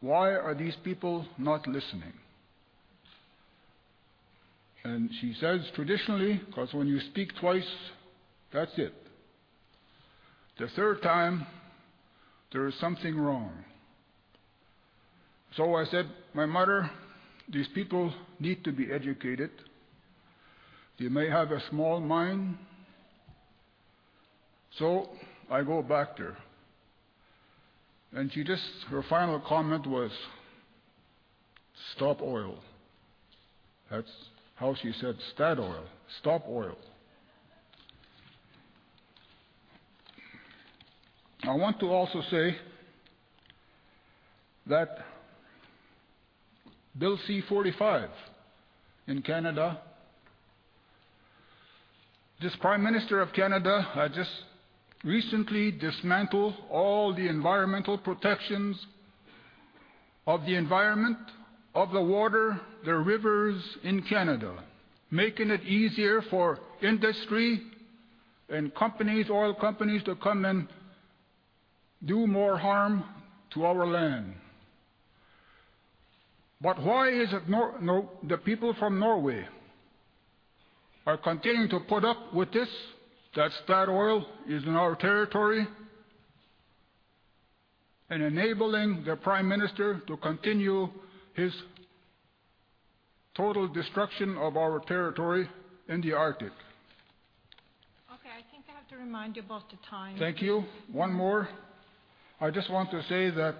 Why are these people not listening?" She says, "Traditionally, 'cause when you speak twice, that's it. The third time, there is something wrong." I said, "My mother, these people need to be educated. They may have a small mind, so I go back there." She just, her final comment was, "Stop oil." That's how she said Statoil. Stop oil. I want to also say that Bill C-45 in Canada, this Prime Minister of Canada has just recently dismantled all the environmental protections of the environment, of the water, the rivers in Canada, making it easier for industry and companies, oil companies, to come and do more harm to our land. Why is it the people from Norway are continuing to put up with this, that Statoil is in our territory and enabling the Prime Minister to continue his total destruction of our territory in the Arctic? Okay, I think I have to remind you about the time. Thank you. One more. I just want to say that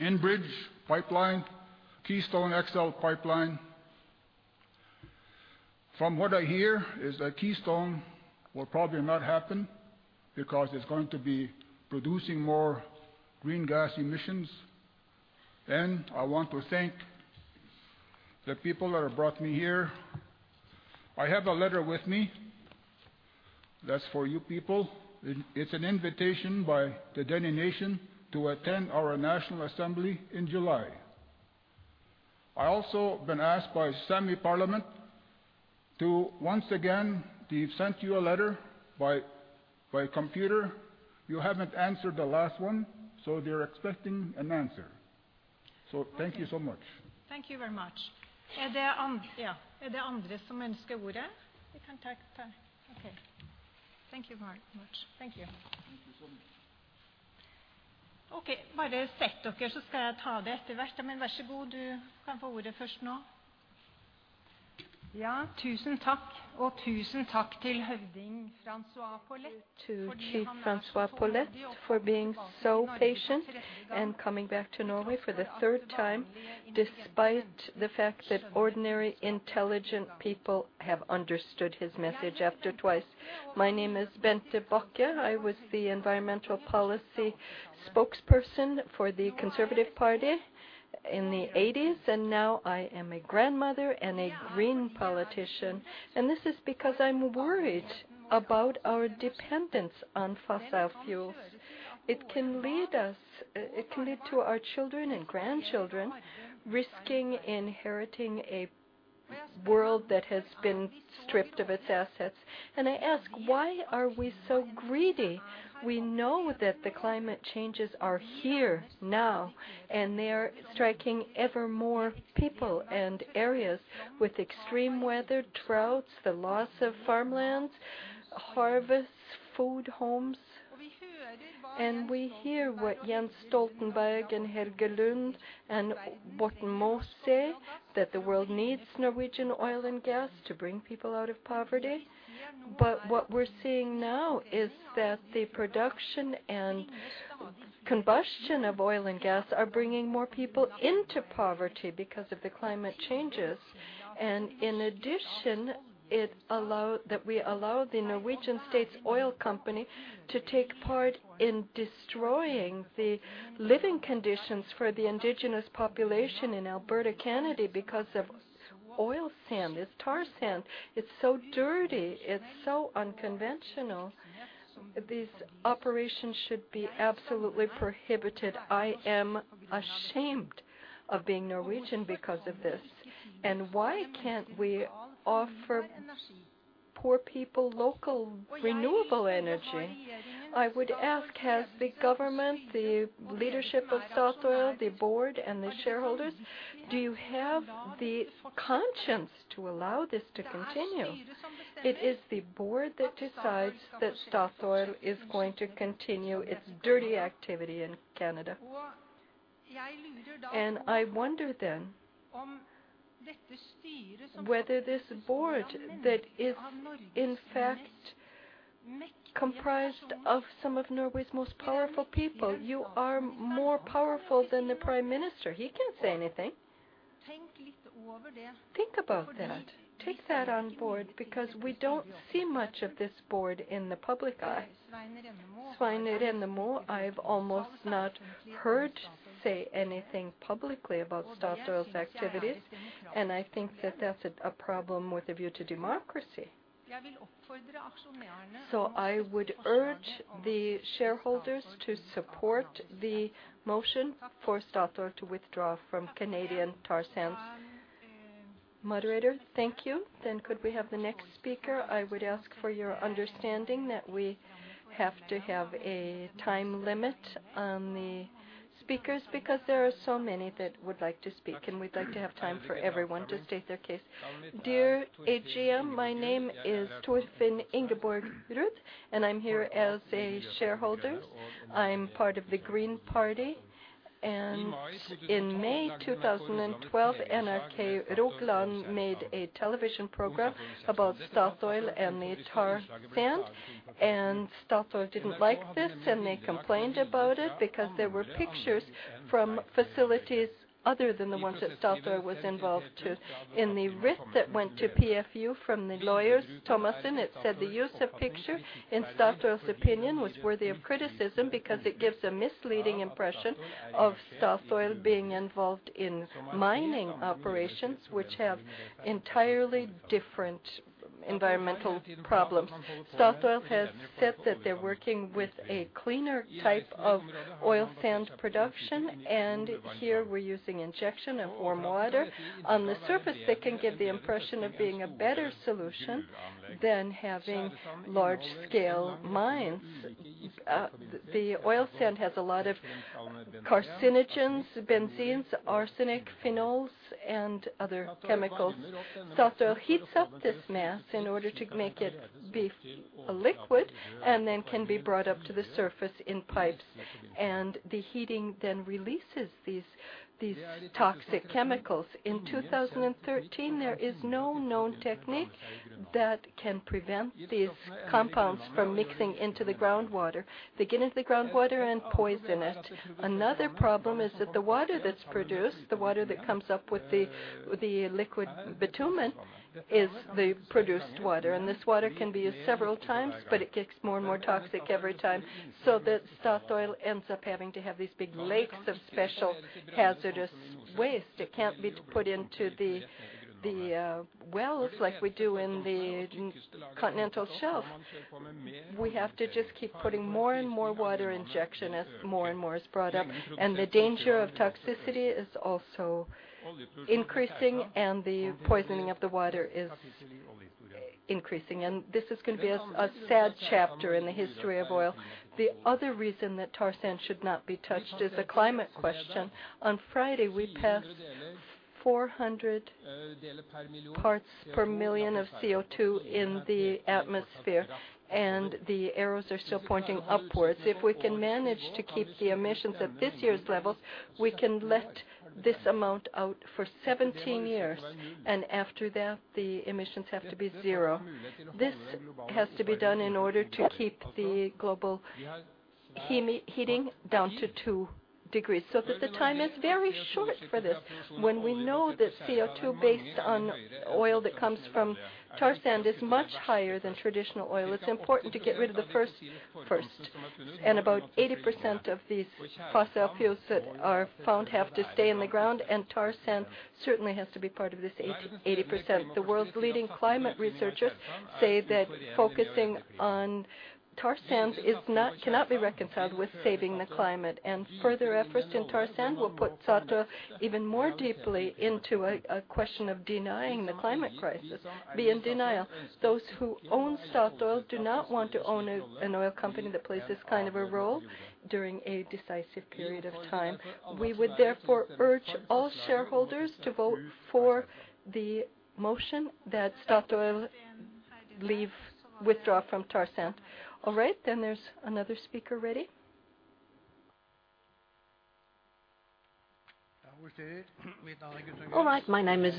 Enbridge pipeline, Keystone XL pipeline. From what I hear is that Keystone will probably not happen because it's going to be producing more greenhouse gas emissions. I want to thank the people that have brought me here. I have a letter with me that's for you people. It's an invitation by the Dene Nation to attend our national assembly in July. I also been asked by Sámi Parliament to once again, they've sent you a letter by computer. You haven't answered the last one, so they're expecting an answer. Thank you so much. Thank you very much. Thank you so much. Okay. Ja. Tusen takk, og tusen takk to Chief François Paulette for being so patient and coming back to Norway for the third time, despite the fact that ordinary intelligent people have understood his message after twice. My name is Bente Bakke. I was the environmental policy spokesperson for the Conservative Party in the '80s, and now I am a grandmother and a green politician, and this is because I'm worried about our dependence on fossil fuels. It can lead to our children and grandchildren risking inheriting a world that has been stripped of its assets, and I ask, why are we so greedy? We know that the climate changes are here now, and they are striking ever more people and areas with extreme weather, droughts, the loss of farmlands, harvests, food, homes. We hear what Jens Stoltenberg and Helge Lund and Børge Brende say, that the world needs Norwegian oil and gas to bring people out of poverty. What we're seeing now is that the production and combustion of oil and gas are bringing more people into poverty because of the climate changes. In addition, that we allow the Norwegian State's oil company to take part in destroying the living conditions for the indigenous population in Alberta, Canada because of oil sand. It's tar sand. It's so dirty. It's so unconventional. These operations should be absolutely prohibited. I am ashamed of being Norwegian because of this. Why can't we offer poor people local renewable energy? I would ask, has the government, the leadership of Statoil, the board, and the shareholders, do you have the conscience to allow this to continue? It is the board that decides that Statoil is going to continue its dirty activity in Canada. I wonder then whether this board that is in fact comprised of some of Norway's most powerful people, you are more powerful than the Prime Minister. He can't say anything. Think about that. Take that on board because we don't see much of this board in the public eye. Svein Rennemo, I've almost not heard say anything publicly about Statoil's activities, and I think that that's a problem with a view to democracy. I would urge the shareholders to support the motion for Statoil to withdraw from Canadian tar sands. Moderator, thank you. Could we have the next speaker? I would ask for your understanding that we have to have a time limit on the speakers because there are so many that would like to speak, and we'd like to have time for everyone to state their case. Dear AGM, my name is Torfinn Ingeborg Rud, and I'm here as a shareholders. I'm part of the Green Party. In May 2012, NRK Rogaland made a television program about Statoil and the tar sand, and Statoil didn't like this, and they complained about it because there were pictures from facilities other than the ones that Statoil was involved to. In the writ that went to PFU from the lawyers Thommessen, it said the use of picture, in Statoil's opinion, was worthy of criticism because it gives a misleading impression of Statoil being involved in mining operations which have entirely different environmental problems. Statoil has said that they're working with a cleaner type of oil sand production, and here we're using injection of warm water. On the surface that can give the impression of being a better solution than having large scale mines. The oil sand has a lot of carcinogens, benzenes, arsenic, phenols, and other chemicals. Statoil heats up this mass in order to make it be a liquid, and then can be brought up to the surface in pipes, and the heating then releases these toxic chemicals. In 2013, there is no known technique that can prevent these compounds from mixing into the groundwater, they get into the groundwater and poison it. Another problem is that the water that's produced, the water that comes up with the liquid bitumen is the produced water, and this water can be used several times, but it gets more and more toxic every time. Statoil ends up having to have these big lakes of special hazardous waste. It can't be put into the wells like we do in the continental shelf. We have to just keep putting more and more water injection as more and more is brought up, and the danger of toxicity is also increasing, and the poisoning of the water is increasing. This is gonna be a sad chapter in the history of oil. The other reason that tar sand should not be touched is a climate question. On Friday, we passed 400 parts per million of CO2 in the atmosphere, and the arrows are still pointing upwards. If we can manage to keep the emissions at this year's level, we can let this amount out for 17 years, and after that, the emissions have to be zero. This has to be done in order to keep the global heating down to 2 degrees, so that the time is very short for this. When we know that CO2 based on oil that comes from tar sand is much higher than traditional oil, it's important to get rid of the first. About 80% of these fossil fuels that are found have to stay in the ground, and tar sand certainly has to be part of this 80%. The world's leading climate researchers say that focusing on tar sands cannot be reconciled with saving the climate. Further efforts in tar sand will put Statoil even more deeply into a question of denying the climate crisis, be in denial. Those who own Statoil do not want to own an oil company that plays this kind of a role during a decisive period of time. We would therefore urge all shareholders to vote for the motion that Statoil leave, withdraw from tar sand. All right, then there's another speaker ready. All right. My name is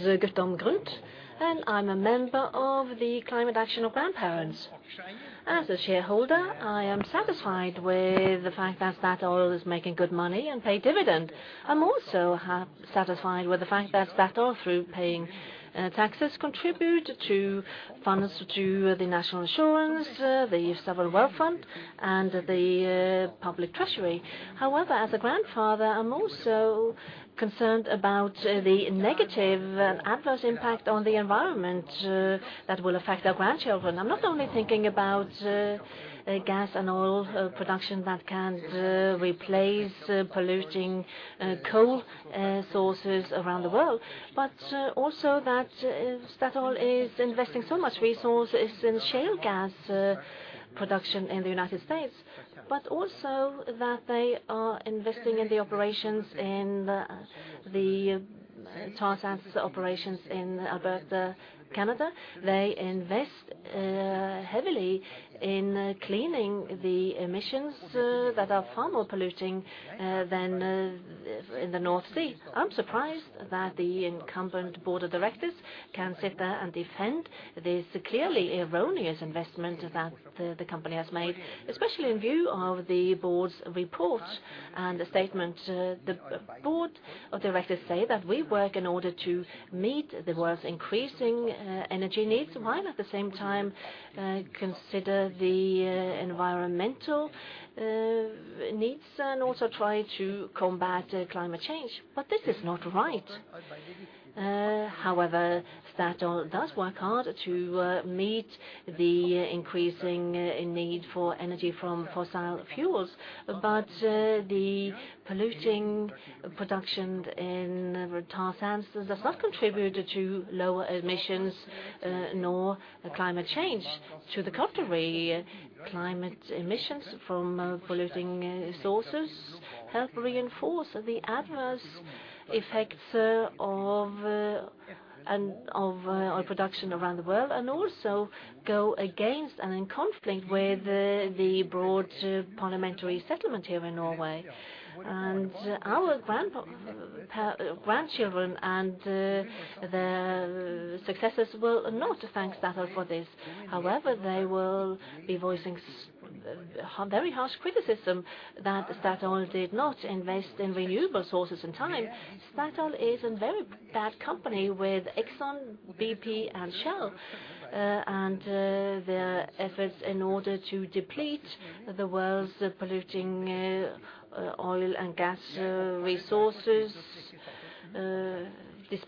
I would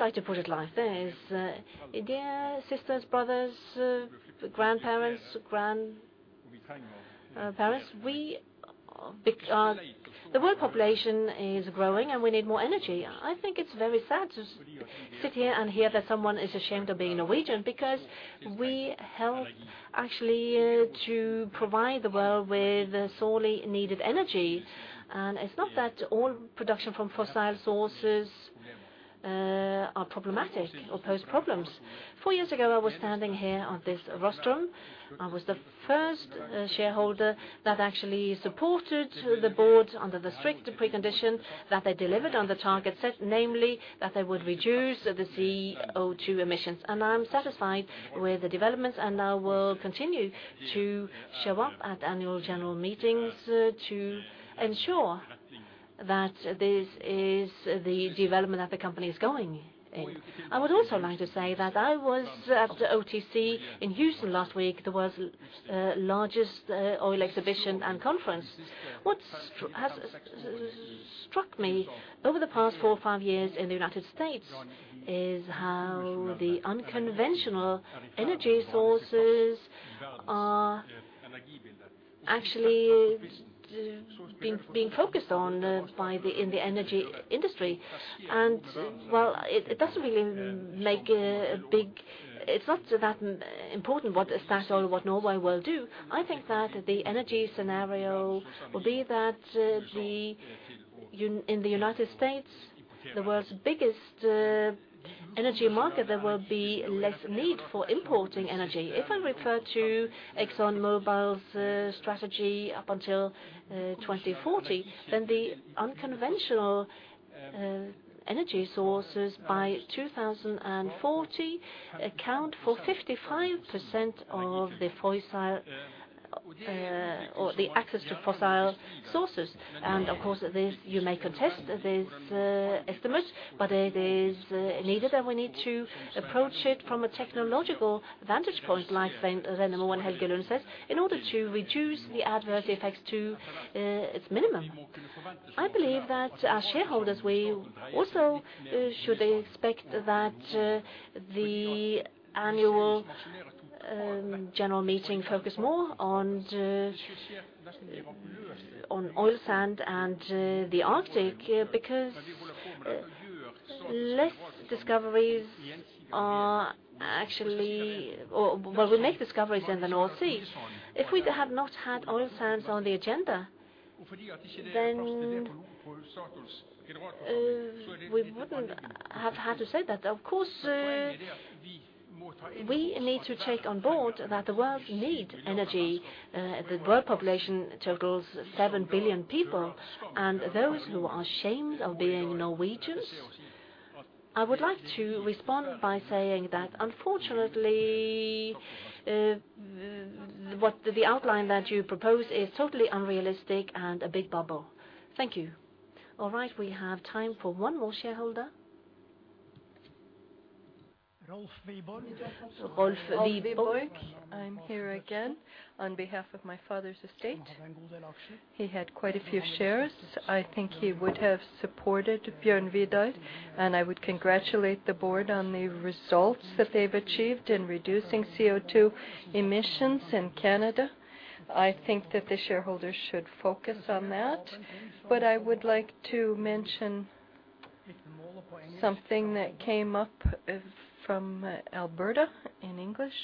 like to put it like this, dear sisters, brothers, grandparents, the world population is growing, and we need more energy. I think it's very sad to sit here and hear that someone is ashamed of being Norwegian because we help actually to provide the world with sorely needed energy. It's not that all production from fossil sources are problematic or pose problems. 4 years ago, I was standing here on this rostrum. I was the first shareholder that actually supported the board under the strict precondition that they delivered on the target set, namely that they would reduce the CO2 emissions. I'm satisfied with the developments, and I will continue to show up at annual general meetings to ensure that this is the development that the company is going in. I would also like to say that I was at the OTC in Houston last week, the world's largest oil exhibition and conference. What has struck me over the past four or five years in the United States is how the unconventional energy sources are actually being focused on in the energy industry. While it doesn't really make a big. It's not that important what Statoil, what Norway will do. I think that the energy scenario will be that in the United States, the world's biggest energy market, there will be less need for importing energy. If I refer to ExxonMobil's strategy up until 2040, then the unconventional energy sources by 2040 account for 55% of the fossil or the access to fossil sources. Of course, you may contest this estimate, but it is needed, and we need to approach it from a technological vantage point, like Svein Rennemo says, in order to reduce the adverse effects to its minimum. I believe that as shareholders, we also should expect that the annual general meeting focus more on oil sands and the Arctic, because less discoveries are actually. Well, we make discoveries in the North Sea. If we have not had oil sands on the agenda, then we wouldn't have had to say that. Of course, we need to take on board that the world needs energy. The world population totals 7 billion people, and those who are ashamed of being Norwegians, I would like to respond by saying that unfortunately, what the outline that you propose is totally unrealistic and a big bubble. Thank you. All right, we have time for one more shareholder. Rolf V. Boik. Rolf V. Boik. I'm here again on behalf of my father's estate. He had quite a few shares. I think he would have supported Bjørn Vidar, and I would congratulate the board on the results that they've achieved in reducing CO2 emissions in Canada. I think that the shareholders should focus on that. I would like to mention something that came up from Alberta in English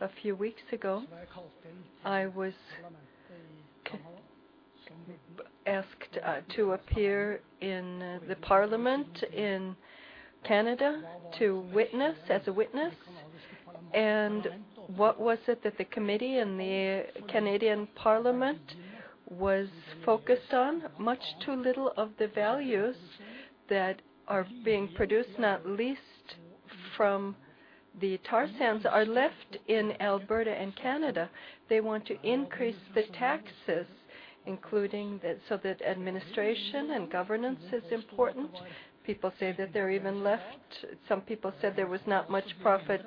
a few weeks ago. I was asked to appear in the parliament in Canada to witness as a witness. What was it that the committee and the Canadian parliament was focused on? Much too little of the values that are being produced, not least from the tar sands, are left in Alberta and Canada. They want to increase the taxes, so that administration and governance is important. People say that they're even left. Some people said there was not much profit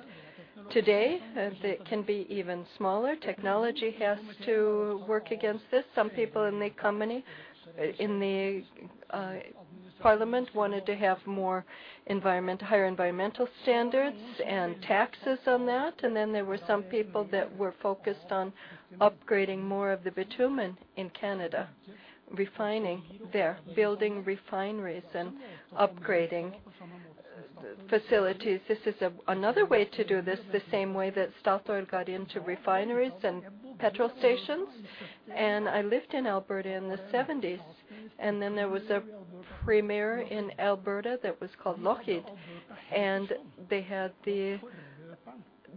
today, and it can be even smaller. Technology has to work against this. Some people in the company, in the parliament wanted higher environmental standards and taxes on that. Then there were some people that were focused on upgrading more of the bitumen in Canada, refining there, building refineries and upgrading facilities. This is another way to do this, the same way that Statoil got into refineries and petrol stations. I lived in Alberta in the seventies. Then there was a premier in Alberta that was called Lougheed.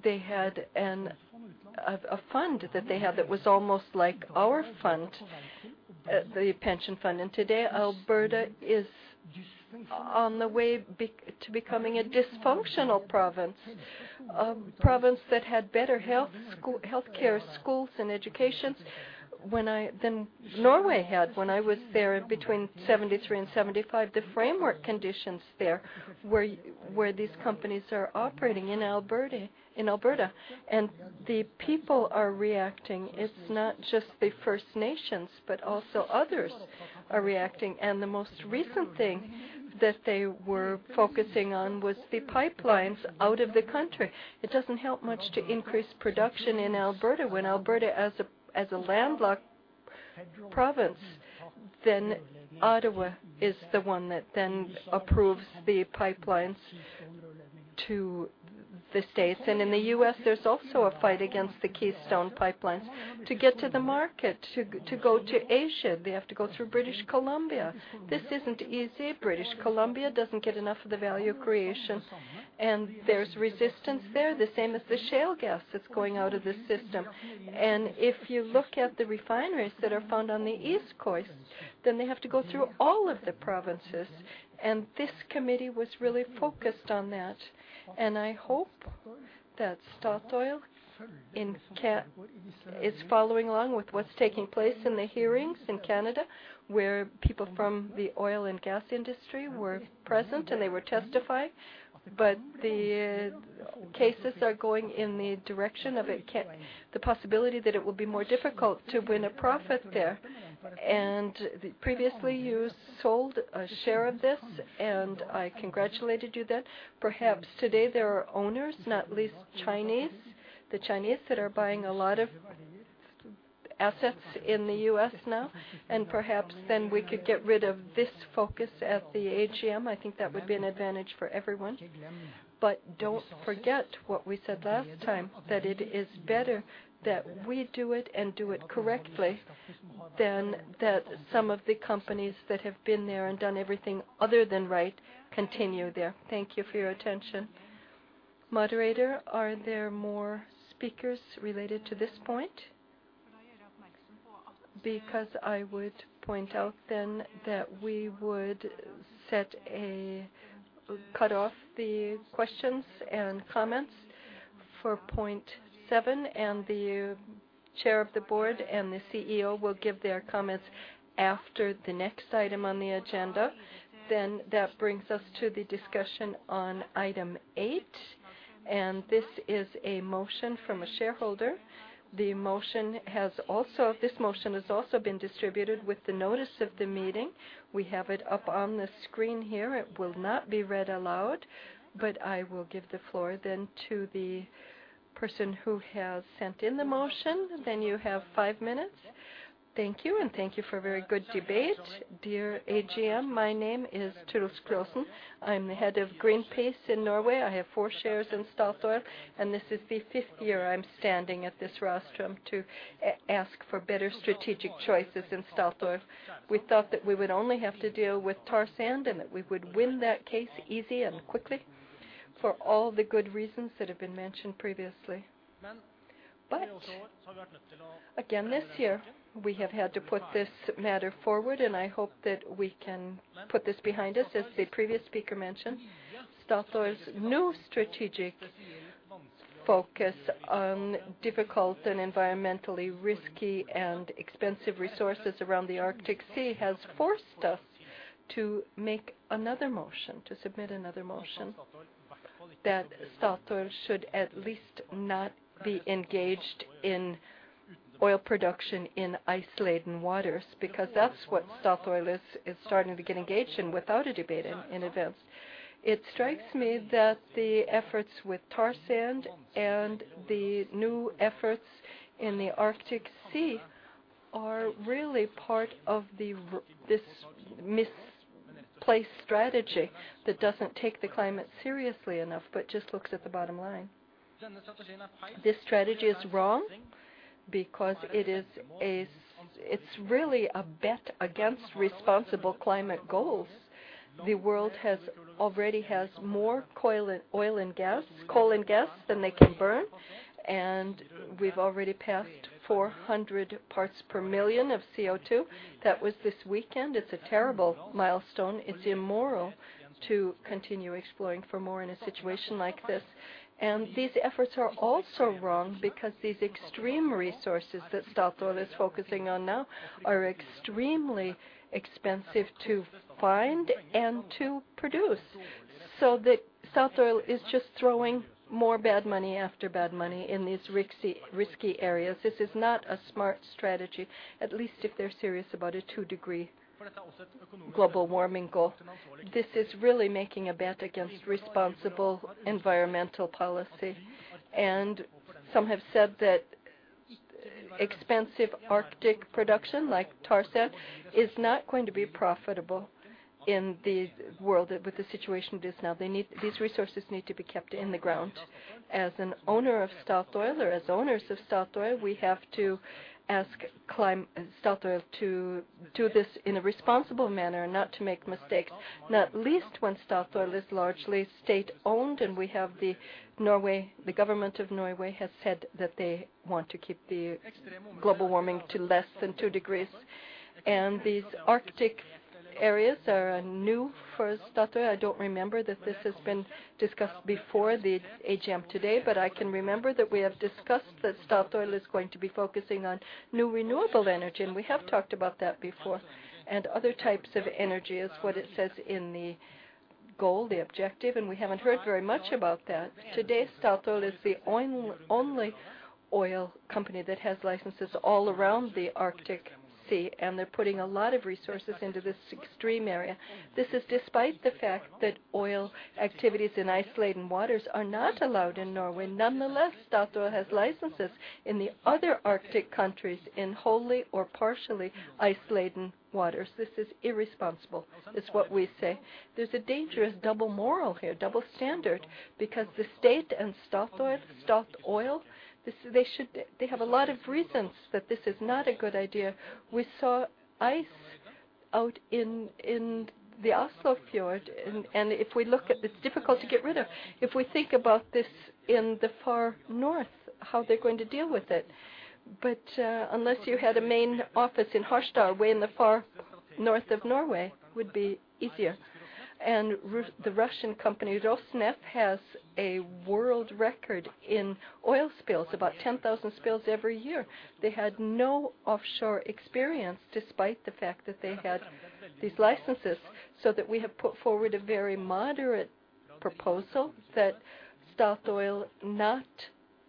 They had a fund that was almost like our fund, the pension fund. Today, Alberta is on the way to becoming a dysfunctional province, a province that had better healthcare, schools and educations than Norway had when I was there between 1973 and 1975. The framework conditions there where these companies are operating in Alberta, and the people are reacting. It's not just the First Nations, but also others are reacting. The most recent thing that they were focusing on was the pipelines out of the country. It doesn't help much to increase production in Alberta when Alberta as a landlocked province, then Ottawa is the one that then approves the pipelines to the States and in the U.S., there's also a fight against the Keystone pipelines to get to the market to go to Asia, they have to go through British Columbia. This isn't easy. British Columbia doesn't get enough of the value creation, and there's resistance there, the same as the shale gas that's going out of the system. If you look at the refineries that are found on the east coast, then they have to go through all of the provinces, and this committee was really focused on that. I hope that Statoil in Canada is following along with what's taking place in the hearings in Canada, where people from the oil and gas industry were present, and they were testifying. The cases are going in the direction of it, the possibility that it will be more difficult to win a profit there. Previously, you sold a share of this, and I congratulated you then. Perhaps today there are owners, not least Chinese, the Chinese that are buying a lot of assets in the U.S. now, and perhaps then we could get rid of this focus at the AGM. I think that would be an advantage for everyone. Don't forget what we said last time, that it is better that we do it and do it correctly than that some of the companies that have been there and done everything other than right continue there. Thank you for your attention. Moderator, are there more speakers related to this point? Because I would point out then that we would cut off the questions and comments for point seven, and the chair of the board and the CEO will give their comments after the next item on the agenda. That brings us to the discussion on Item 8. This is a motion from a shareholder. This motion has also been distributed with the notice of the meeting. We have it up on the screen here. It will not be read aloud, but I will give the floor to the person who has sent in the motion. You have 5 minutes. Thank you, and thank you for a very good debate. Dear AGM, my name is Truls Gulowsen. I'm the head of Greenpeace in Norway. I have 4 shares in Statoil, and this is the fifth year I'm standing at this rostrum to ask for better strategic choices in Statoil. We thought that we would only have to deal with tar sand and that we would win that case easy and quickly for all the good reasons that have been mentioned previously. Again, this year, we have had to put this matter forward, and I hope that we can put this behind us. As the previous speaker mentioned, Statoil's new strategic focus on difficult and environmentally risky and expensive resources around the Arctic Sea has forced us to make another motion, to submit another motion that Statoil should at least not be engaged in oil production in ice-laden waters because that's what Statoil is starting to get engaged in without a debate in advance. It strikes me that the efforts with tar sand and the new efforts in the Arctic Sea are really part of this misplaced strategy that doesn't take the climate seriously enough but just looks at the bottom line. This strategy is wrong because it's really a bet against responsible climate goals. The world already has more oil and gas and coal than they can burn, and we've already passed 400 parts per million of CO2. That was this weekend. It's a terrible milestone. It's immoral to continue exploring for more in a situation like this. These efforts are also wrong because these extreme resources that Statoil is focusing on now are extremely expensive to find and to produce. Statoil is just throwing more bad money after bad money in these risky areas. This is not a smart strategy, at least if they're serious about a 2-degree global warming goal. This is really making a bet against responsible environmental policy. Some have said that expensive Arctic production like tar sand is not going to be profitable in the world with the situation it is now. These resources need to be kept in the ground. As an owner of Statoil or as owners of Statoil, we have to ask Statoil to do this in a responsible manner and not to make mistakes, not least when Statoil is largely state-owned, and we have in Norway, the government of Norway has said that they want to keep the global warming to less than two degrees. These Arctic areas are new for Statoil. I don't remember that this has been discussed before the AGM today, but I can remember that we have discussed that Statoil is going to be focusing on new renewable energy, and we have talked about that before, and other types of energy is what it says in the goal, the objective, and we haven't heard very much about that. Today, Statoil is the only oil company that has licenses all around the Arctic Sea, and they're putting a lot of resources into this extreme area. This is despite the fact that oil activities in ice-laden waters are not allowed in Norway. Nonetheless, Statoil has licenses in the other Arctic countries in wholly or partially ice-laden waters. This is irresponsible, is what we say. There's a dangerous double moral here, double standard, because the state and Statoil, they have a lot of reasons that this is not a good idea. We saw oil out in the Oslo Fjord, and it's difficult to get rid of. If we think about this in the far north, how they're going to deal with it. Unless you had a main office in Harstad, way in the far north of Norway would be easier. The Russian company, Rosneft, has a world record in oil spills, about 10,000 spills every year. They had no offshore experience, despite the fact that they had these licenses, so that we have put forward a very moderate proposal that Statoil not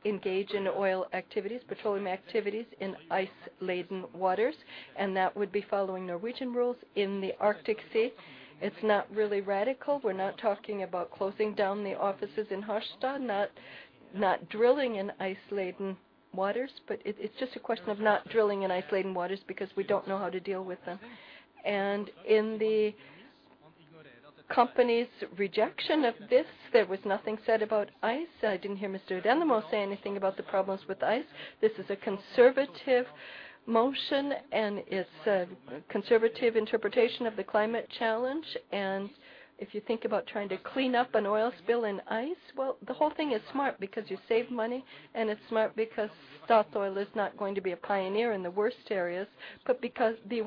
engage in oil activities, petroleum activities, in ice-laden waters, and that would be following Norwegian rules in the Arctic Sea. It's not really radical. We're not talking about closing down the offices in Harstad, not drilling in ice-laden waters, but it's just a question of not drilling in ice-laden waters because we don't know how to deal with them. In the company's rejection of this, there was nothing said about ice. I didn't hear Mr. Svein Rennemo say anything about the problems with ice? This is a conservative motion, and it's a conservative interpretation of the climate challenge, and if you think about trying to clean up an oil spill in ice, well, the whole thing is smart because you save money, and it's smart because Statoil is not going to be a pioneer in the worst areas, but because be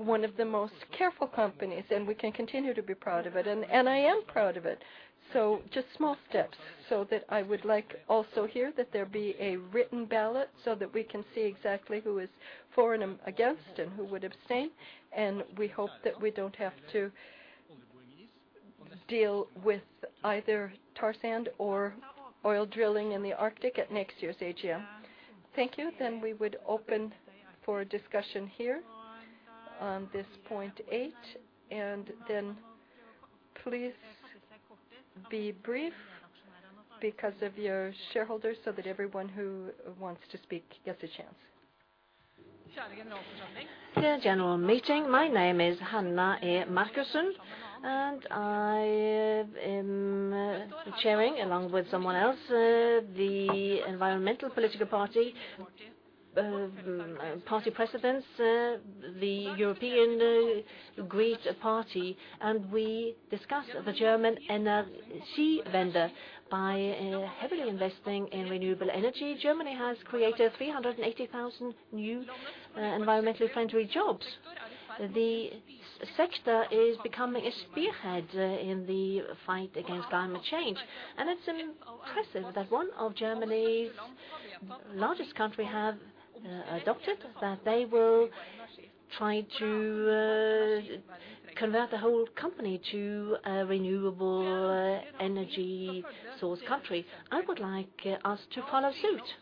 one of the most careful companies, and we can continue to be proud of it, and I am proud of it. Just small steps, so that I would like also here that there be a written ballot so that we can see exactly who is for and against and who would abstain. We hope that we don't have to deal with either tar sand or oil drilling in the Arctic at next year's AGM. Thank you. We would open for a discussion here on this point eight, and then please be brief because of your shareholders so that everyone who wants to speak gets a chance. Dear general meeting, my name is Hanna E. Marcussen, and I am sharing along with someone else the environmental political party party precedence the European Green Party, and we discuss the German Energiewende by heavily investing in renewable energy. Germany has created 380,000 new environmentally friendly jobs. The sector is becoming a spearhead in the fight against climate change, and it's impressive that one of Germany's largest country have adopted that they will try to convert the whole company to a renewable energy source country. I would like us to follow suit.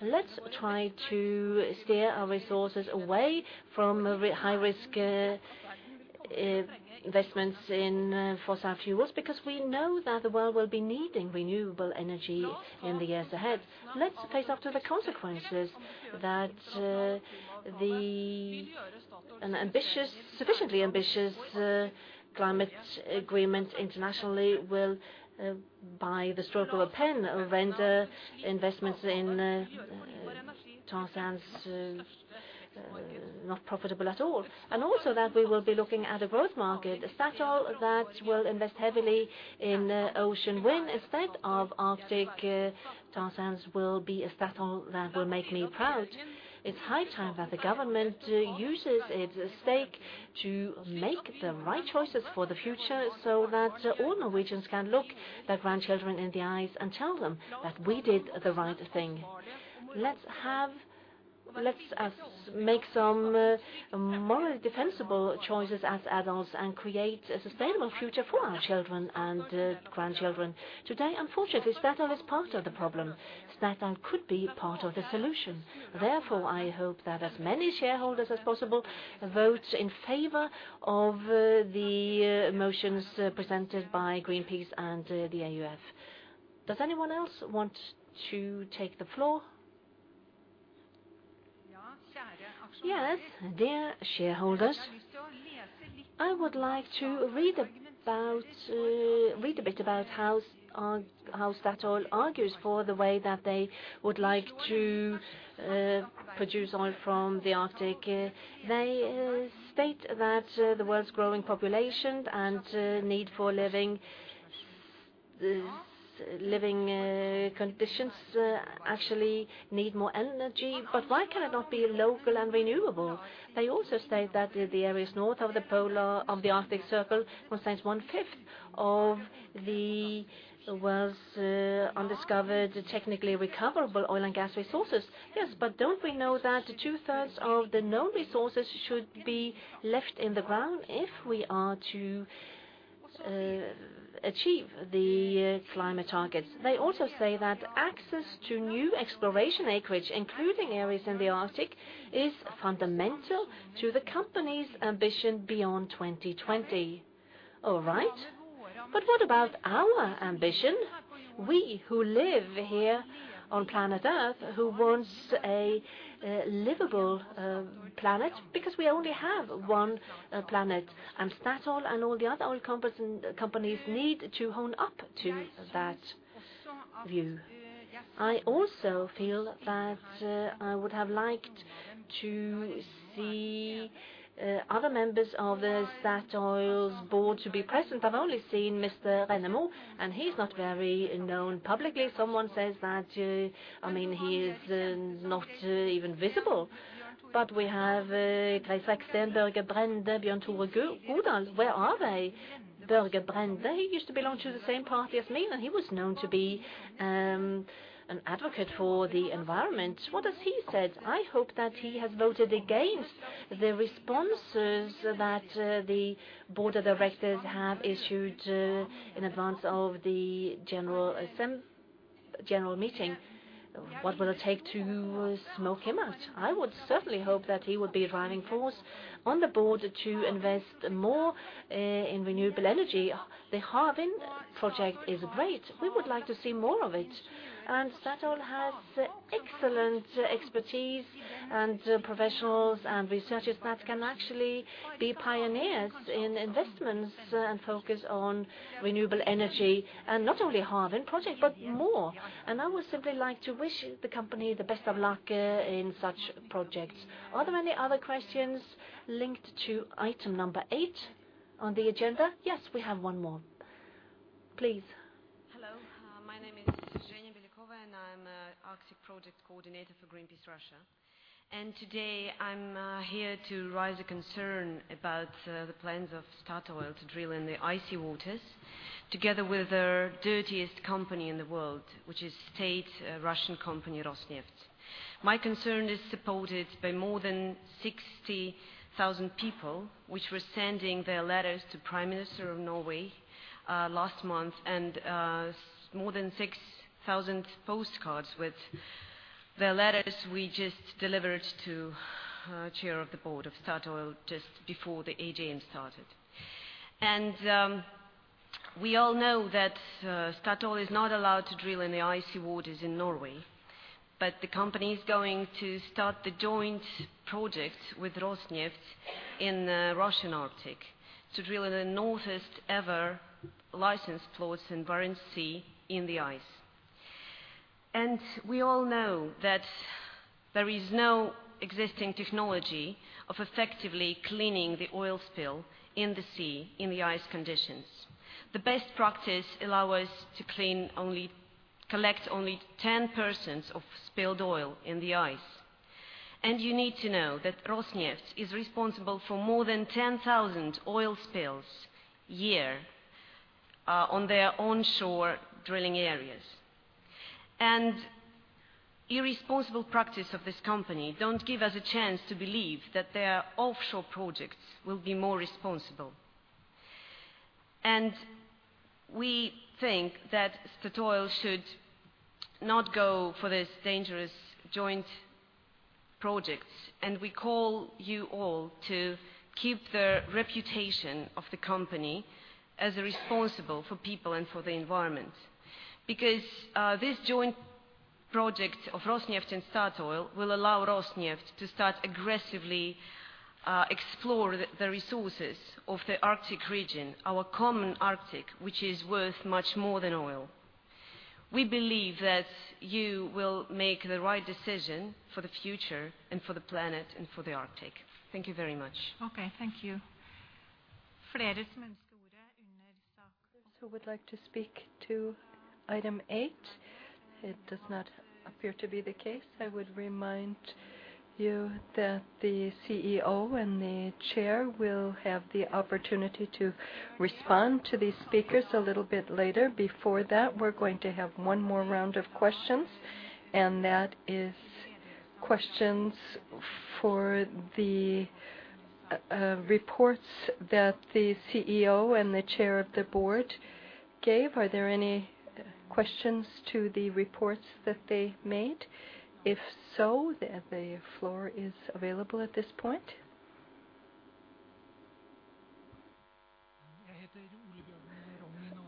Let's try to steer our resources away from high-risk investments in fossil fuels, because we know that the world will be needing renewable energy in the years ahead. Let's face up to the consequences that an ambitious, sufficiently ambitious climate agreement internationally will, by the stroke of a pen, render investments in tar sands not profitable at all. Also that we will be looking at a growth market, a Statoil that will invest heavily in ocean wind instead of Arctic tar sands will be a Statoil that will make me proud. It's high time that the government uses its stake to make the right choices for the future so that all Norwegians can look their grandchildren in the eyes and tell them that we did the right thing. Let's make some morally defensible choices as adults and create a sustainable future for our children and grandchildren. Today, unfortunately, Statoil is part of the problem. Statoil could be part of the solution. Therefore, I hope that as many shareholders as possible vote in favor of the motions presented by Greenpeace and the AUF. Does anyone else want to take the floor? Yes, dear shareholders, I would like to read a bit about how Statoil argues for the way that they would like to produce oil from the Arctic. They state that the world's growing population and need for living conditions actually need more energy, but why can it not be local and renewable? They also state that the areas north of the Arctic Circle contains one-fifth of the world's undiscovered technically recoverable oil and gas resources. Yes, but don't we know that two-thirds of the known resources should be left in the ground if we are to achieve the climate targets? They also say that access to new exploration acreage, including areas in the Arctic, is fundamental to the company's ambition beyond 2020. All right, what about our ambition? We who live here on planet Earth, who wants a livable, planet because we only have one planet, and Statoil and all the other oil companies need to own up to that. View. I also feel that I would have liked to see other members of Statoil's board to be present. I've only seen Mr. Rennemo, and he's not very known publicly. Someone says that, I mean, he is not even visible. We have Børge Brende, Bjørn Tore Godal. Where are they? Børge Brende, he used to belong to the same party as me, and he was known to be an advocate for the environment. What has he said? I hope that he has voted against the responses that the Board of Directors have issued in advance of the general meeting. What will it take to smoke him out? I would certainly hope that he would be a driving force on the board to invest more in renewable energy. The Hywind project is great. We would like to see more of it. Statoil has excellent expertise and professionals and researchers that can actually be pioneers in investments and focus on renewable energy, and not only Hywind project, but more. I would simply like to wish the company the best of luck in such projects. Are there any other questions linked to Item 8 on the agenda? Yes, we have one more. Please. Hello. My name is Zhenia Belikova, and I'm Arctic Project Coordinator for Greenpeace Russia. Today, I'm here to raise a concern about the plans of Statoil to drill in the icy waters together with the dirtiest company in the world, which is state Russian company Rosneft. My concern is supported by more than 60,000 people which were sending their letters to Prime Minister of Norway last month, and more than 6,000 postcards with their letters we just delivered to Chair of the Board of Statoil just before the AGM started. We all know that Statoil is not allowed to drill in the icy waters in Norway, but the company is going to start the joint project with Rosneft in the Russian Arctic to drill in the northest-ever licensed plots in Barents Sea in the ice. We all know that there is no existing technology of effectively cleaning the oil spill in the sea in the ice conditions. The best practice allow us to collect only 10% of spilled oil in the ice. You need to know that Rosneft is responsible for more than 10,000 oil spills a year, on their onshore drilling areas. Irresponsible practice of this company don't give us a chance to believe that their offshore projects will be more responsible. We think that Statoil should not go for this dangerous joint project, and we call you all to keep the reputation of the company as a responsible for people and for the environment. Because this joint project of Rosneft and Statoil will allow Rosneft to start aggressively explore the resources of the Arctic region, our common Arctic, which is worth much more than oil. We believe that you will make the right decision for the future and for the planet and for the Arctic. Thank you very much. Okay, thank you. Who would like to speak to Item 8? It does not appear to be the case. I would remind you that the CEO and the chair will have the opportunity to respond to these speakers a little bit later. Before that, we're going to have one more round of questions, and that is questions for the reports that the CEO and the chair of the board gave. Are there any questions to the reports that they made? If so, the floor is available at this point.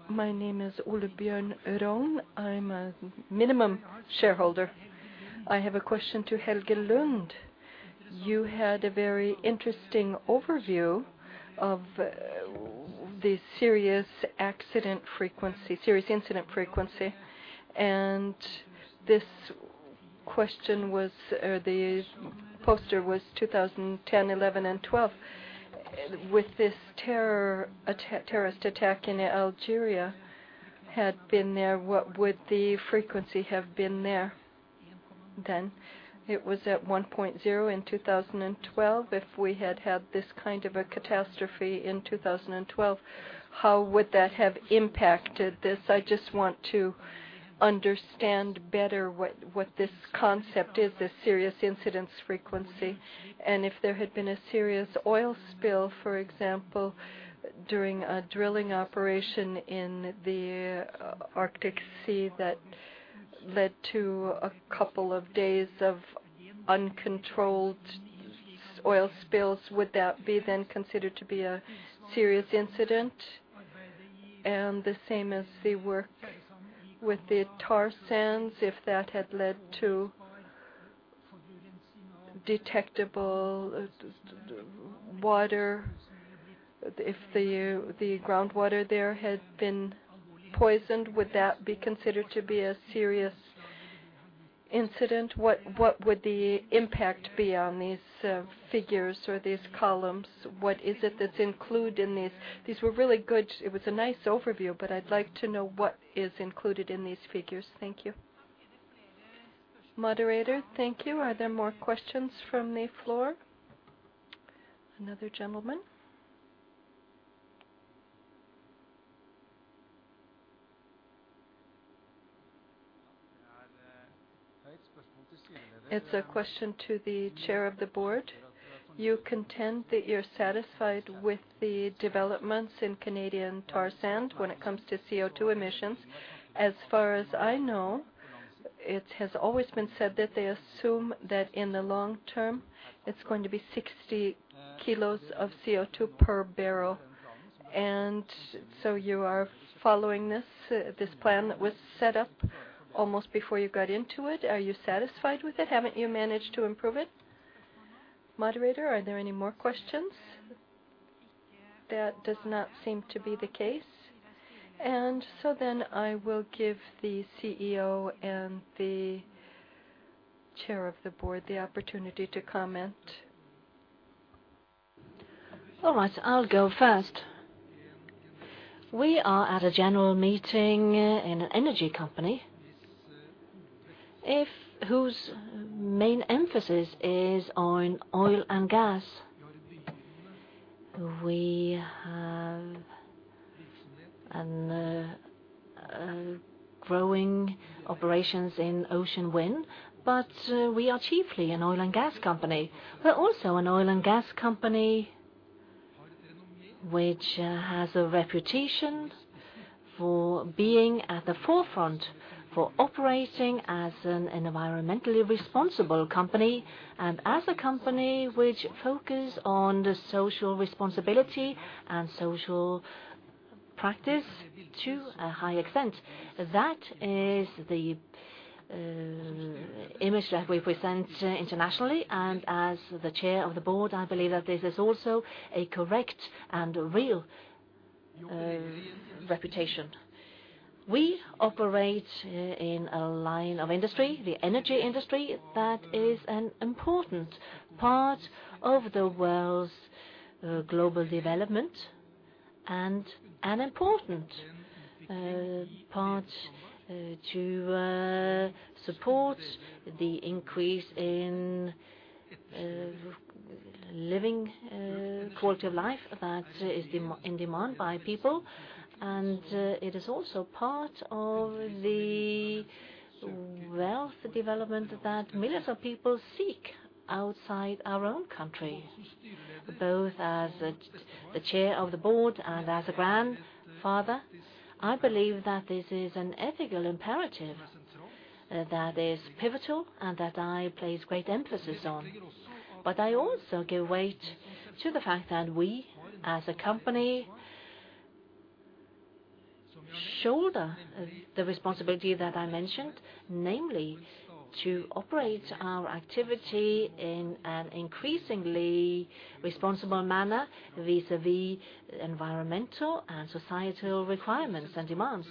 My name is Ole Bjørn Røn. I'm a minimum shareholder. I have a question to Helge Lund. You had a very interesting overview of the serious accident frequency, serious incident frequency, and this or the poster was 2010, 2011, and 2012. With this terror attack, terrorist attack in Algeria had been there, what would the frequency have been there then? It was at 1.0 in 2012. If we had had this kind of a catastrophe in 2012, how would that have impacted this? I just want to understand better what this concept is, the serious incidents frequency. If there had been a serious oil spill, for example, during a drilling operation in the Arctic Sea that led to a couple of days of uncontrolled oil spills, would that be then considered to be a serious incident? The same as the work with the tar sands, if that had led to detectable water. If the groundwater there had been poisoned, would that be considered to be a serious incident? What would the impact be on these figures or these columns? What is it that's included in these? These were really good. It was a nice overview, but I'd like to know what is included in these figures. Thank you. Moderator, thank you. Are there more questions from the floor? Another gentleman. It's a question to the chair of the board. You contend that you're satisfied with the developments in Canadian tar sand when it comes to CO2 emissions. As far as I know, it has always been said that they assume that in the long term, it's going to be 60 kilos of CO2 per barrel. So you are following this plan that was set up almost before you got into it. Are you satisfied with it? Haven't you managed to improve it? Moderator, are there any more questions? That does not seem to be the case. I will give the CEO and the Chair of the board the opportunity to comment. All right, I'll go first. We are at a general meeting in an energy company whose main emphasis is on oil and gas. We have a growing operations in offshore wind, but we are chiefly an oil and gas company. We're also an oil and gas company which has a reputation for being at the forefront for operating as an environmentally responsible company and as a company which focus on the social responsibility and social practice to a high extent. That is the image that we present internationally, and as the chair of the board, I believe that this is also a correct and real reputation. We operate in a line of industry, the energy industry, that is an important part of the world's global development and an important part to support the increase in living quality of life that is in demand by people. It is also part of the wealth development that millions of people seek outside our own country. Both as the chair of the board and as a grandfather, I believe that this is an ethical imperative that is pivotal and that I place great emphasis on. I also give weight to the fact that we, as a company, shoulder the responsibility that I mentioned, namely, to operate our activity in an increasingly responsible manner vis-à-vis environmental and societal requirements and demands.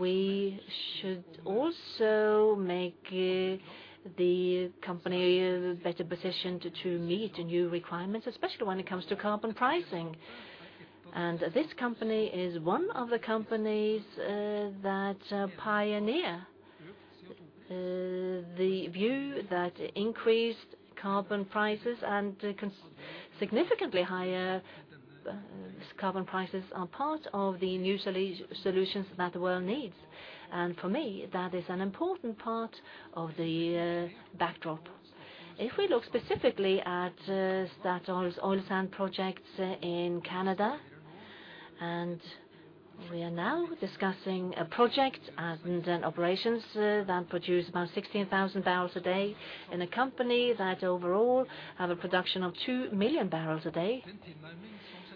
We should also make the company better positioned to meet new requirements, especially when it comes to carbon pricing. This company is one of the companies that pioneer the view that increased carbon prices and significantly higher carbon prices are part of the new solutions that the world needs. For me, that is an important part of the backdrop. If we look specifically at Statoil's oil sand projects in Canada, and we are now discussing a project and operations that produce about 16,000 barrels a day in a company that overall have a production of 2 million barrels a day.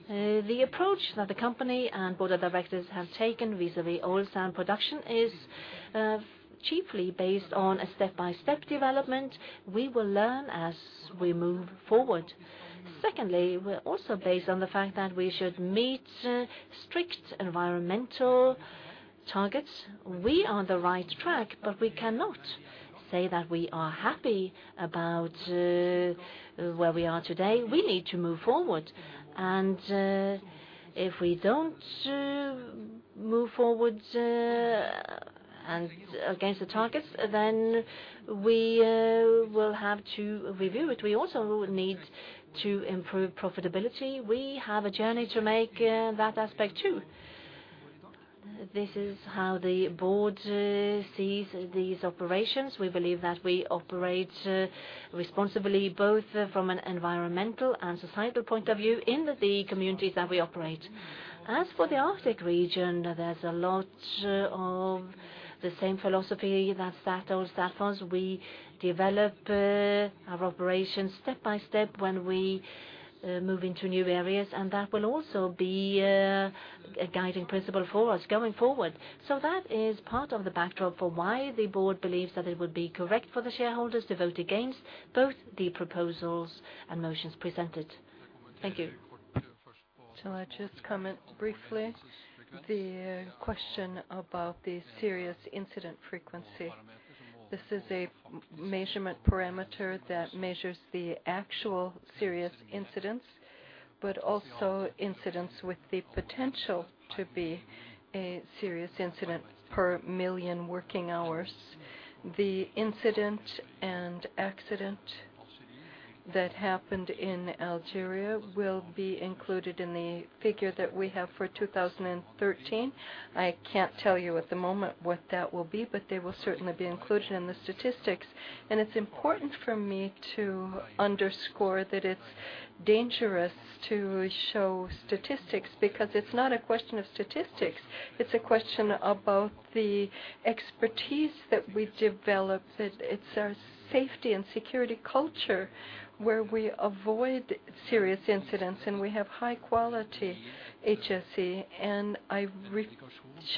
The approach that the company and board of directors have taken vis-à-vis oil sand production is chiefly based on a step-by-step development. We will learn as we move forward. Secondly, we're also based on the fact that we should meet strict environmental targets. We are on the right track, but we cannot say that we are happy about where we are today. We need to move forward. If we don't move forward and against the targets, then we will have to review it. We also need to improve profitability. We have a journey to make in that aspect, too. This is how the board sees these operations. We believe that we operate responsibly, both from an environmental and societal point of view in the communities that we operate. As for the Arctic region, there's a lot of the same philosophy that Statoil stands for. We develop our operations step by step when we're moving to new areas, and that will also be a guiding principle for us going forward. That is part of the backdrop for why the board believes that it would be correct for the shareholders to vote against both the proposals and motions presented. Thank you. Shall I just comment briefly? The question about the serious incident frequency. This is a measurement parameter that measures the actual serious incidents, but also incidents with the potential to be a serious incident per million working hours. The incident and accident that happened in Algeria will be included in the figure that we have for 2013. I can't tell you at the moment what that will be, but they will certainly be included in the statistics. It's important for me to underscore that it's dangerous to show statistics because it's not a question of statistics. It's a question about the expertise that we've developed, that it's our safety and security culture, where we avoid serious incidents, and we have high quality HSE. I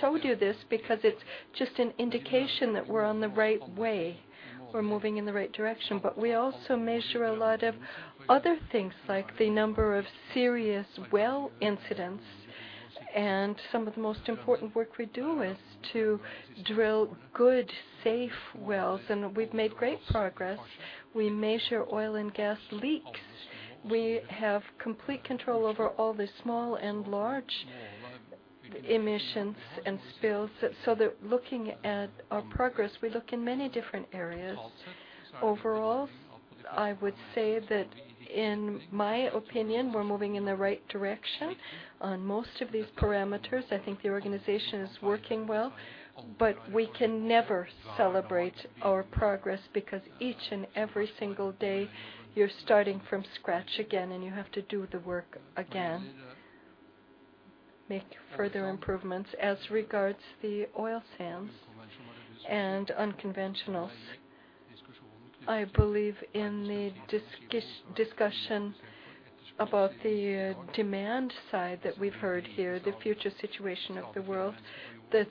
showed you this because it's just an indication that we're on the right way. We're moving in the right direction. We also measure a lot of other things, like the number of serious well incidents, and some of the most important work we do is to drill good, safe wells, and we've made great progress. We measure oil and gas leaks. We have complete control over all the small and large emissions and spills, so that looking at our progress, we look in many different areas. Overall, I would say that in my opinion, we're moving in the right direction on most of these parameters. I think the organization is working well. We can never celebrate our progress because each and every single day, you're starting from scratch again, and you have to do the work again, make further improvements. As regards to the oil sands and unconventionals, I believe in the discussion about the demand side that we've heard here, the future situation of the world, this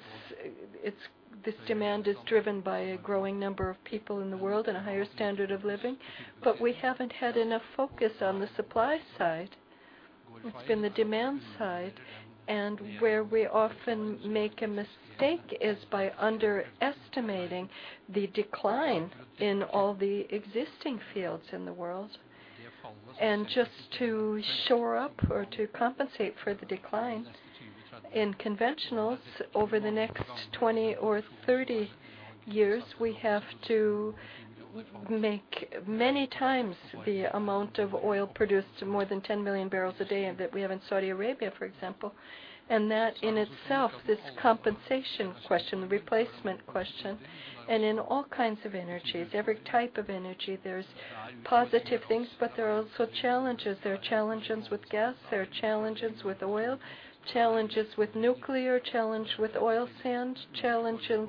demand is driven by a growing number of people in the world and a higher standard of living. We haven't had enough focus on the supply side. It's been the demand side. Where we often make a mistake is by underestimating the decline in all the existing fields in the world. Just to shore up or to compensate for the declines in conventionals over the next 20 years or 30 years, we have to make many times the amount of oil produced, more than 10 million barrels a day that we have in Saudi Arabia, for example. That in itself, this compensation question, the replacement question, and in all kinds of energies, every type of energy, there's positive things, but there are also challenges. There are challenges with gas, there are challenges with oil, challenges with nuclear, challenge with oil sands, challenges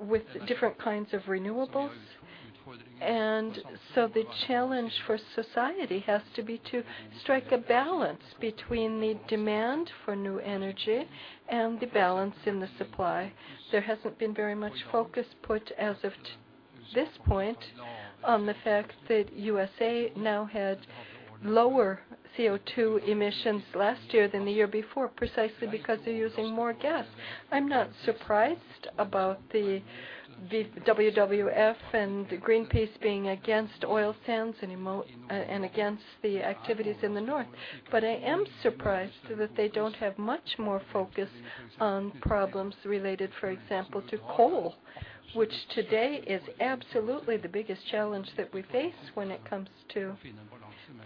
with different kinds of renewables. The challenge for society has to be to strike a balance between the demand for new energy and the balance in the supply. There hasn't been very much focus put as of this point on the fact that USA now had lower CO2 emissions last year than the year before, precisely because they're using more gas. I'm not surprised about the WWF and Greenpeace being against oil sands and against the activities in the north. I am surprised that they don't have much more focus on problems related, for example, to coal, which today is absolutely the biggest challenge that we face when it comes to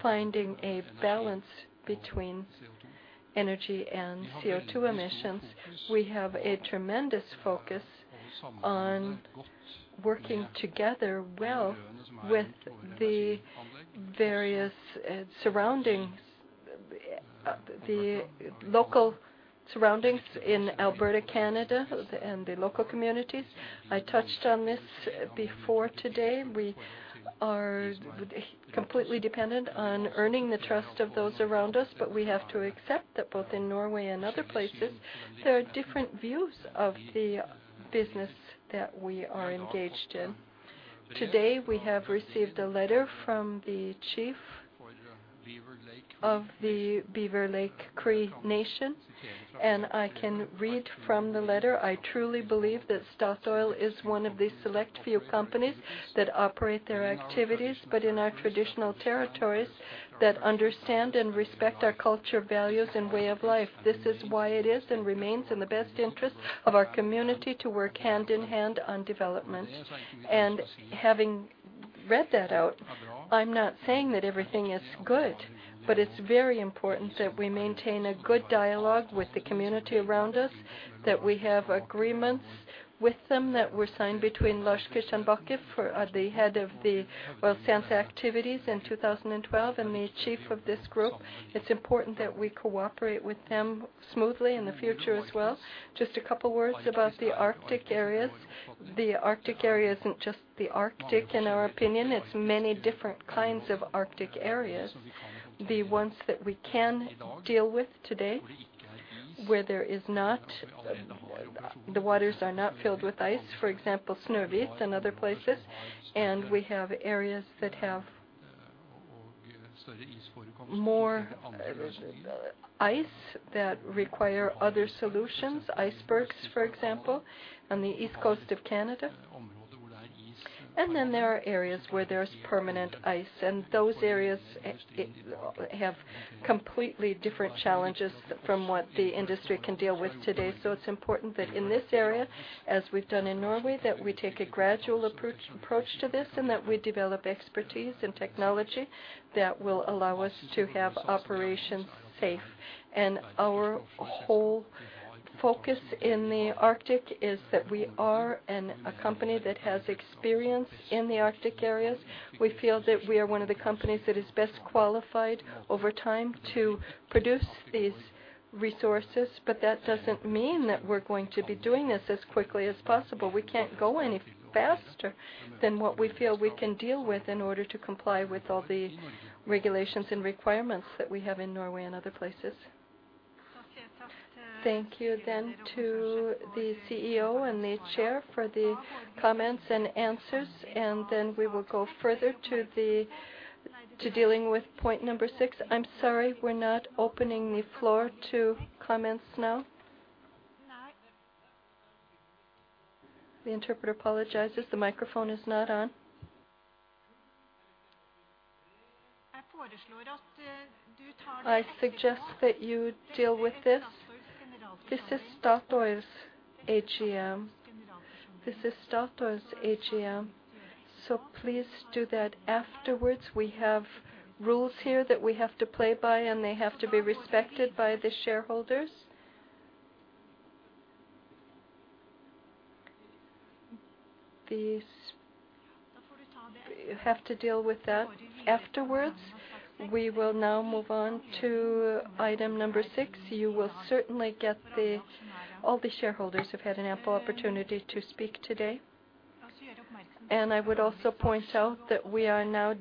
finding a balance between energy and CO2 emissions. We have a tremendous focus on working together well with the various surrounding the local surroundings in Alberta, Canada, and the local communities. I touched on this before today. We are completely dependent on earning the trust of those around us, but we have to accept that both in Norway and other places, there are different views of the business that we are engaged in. Today, we have received a letter from the chief of the Beaver Lake Cree Nation, and I can read from the letter, "I truly believe that Statoil is one of the select few companies that operate their activities in our traditional territories that understand and respect our culture, values, and way of life. This is why it is and remains in the best interest of our community to work hand in hand on development." Having read that out, I'm not saying that everything is good, but it's very important that we maintain a good dialogue with the community around us, that we have agreements with them that were signed between Lars Christian Bacher, for the head of the oil sands activities in 2012 and the chief of this group. It's important that we cooperate with them smoothly in the future as well. Just a couple words about the Arctic areas. The Arctic area isn't just the Arctic, in our opinion, it's many different kinds of Arctic areas. The ones that we can deal with today where there is not, the waters are not filled with ice, for example, Snøhvit and other places, and we have areas that have more, ice that require other solutions, icebergs, for example, on the east coast of Canada. Then there are areas where there's permanent ice, and those areas, have completely different challenges from what the industry can deal with today. It's important that in this area, as we've done in Norway, that we take a gradual approach to this and that we develop expertise and technology that will allow us to have operations safe. Our whole focus in the Arctic is that we are a company that has experience in the Arctic areas. We feel that we are one of the companies that is best qualified over time to produce these resources. But that doesn't mean that we're going to be doing this as quickly as possible. We can't go any faster than what we feel we can deal with in order to comply with all the regulations and requirements that we have in Norway and other places. Thank you then to the CEO and the chair for the comments and answers, and then we will go further to dealing with point number six. I'm sorry, we're not opening the floor to comments now. The interpreter apologizes, the microphone is not on. I suggest that you deal with this. This is Statoil's AGM. This is Statoil's AGM, so please do that afterwards. We have rules here that we have to play by, and they have to be respected by the shareholders. You have to deal with that afterwards. We will now move on to Item 6. All the shareholders have had an ample opportunity to speak today. I would also point out that we will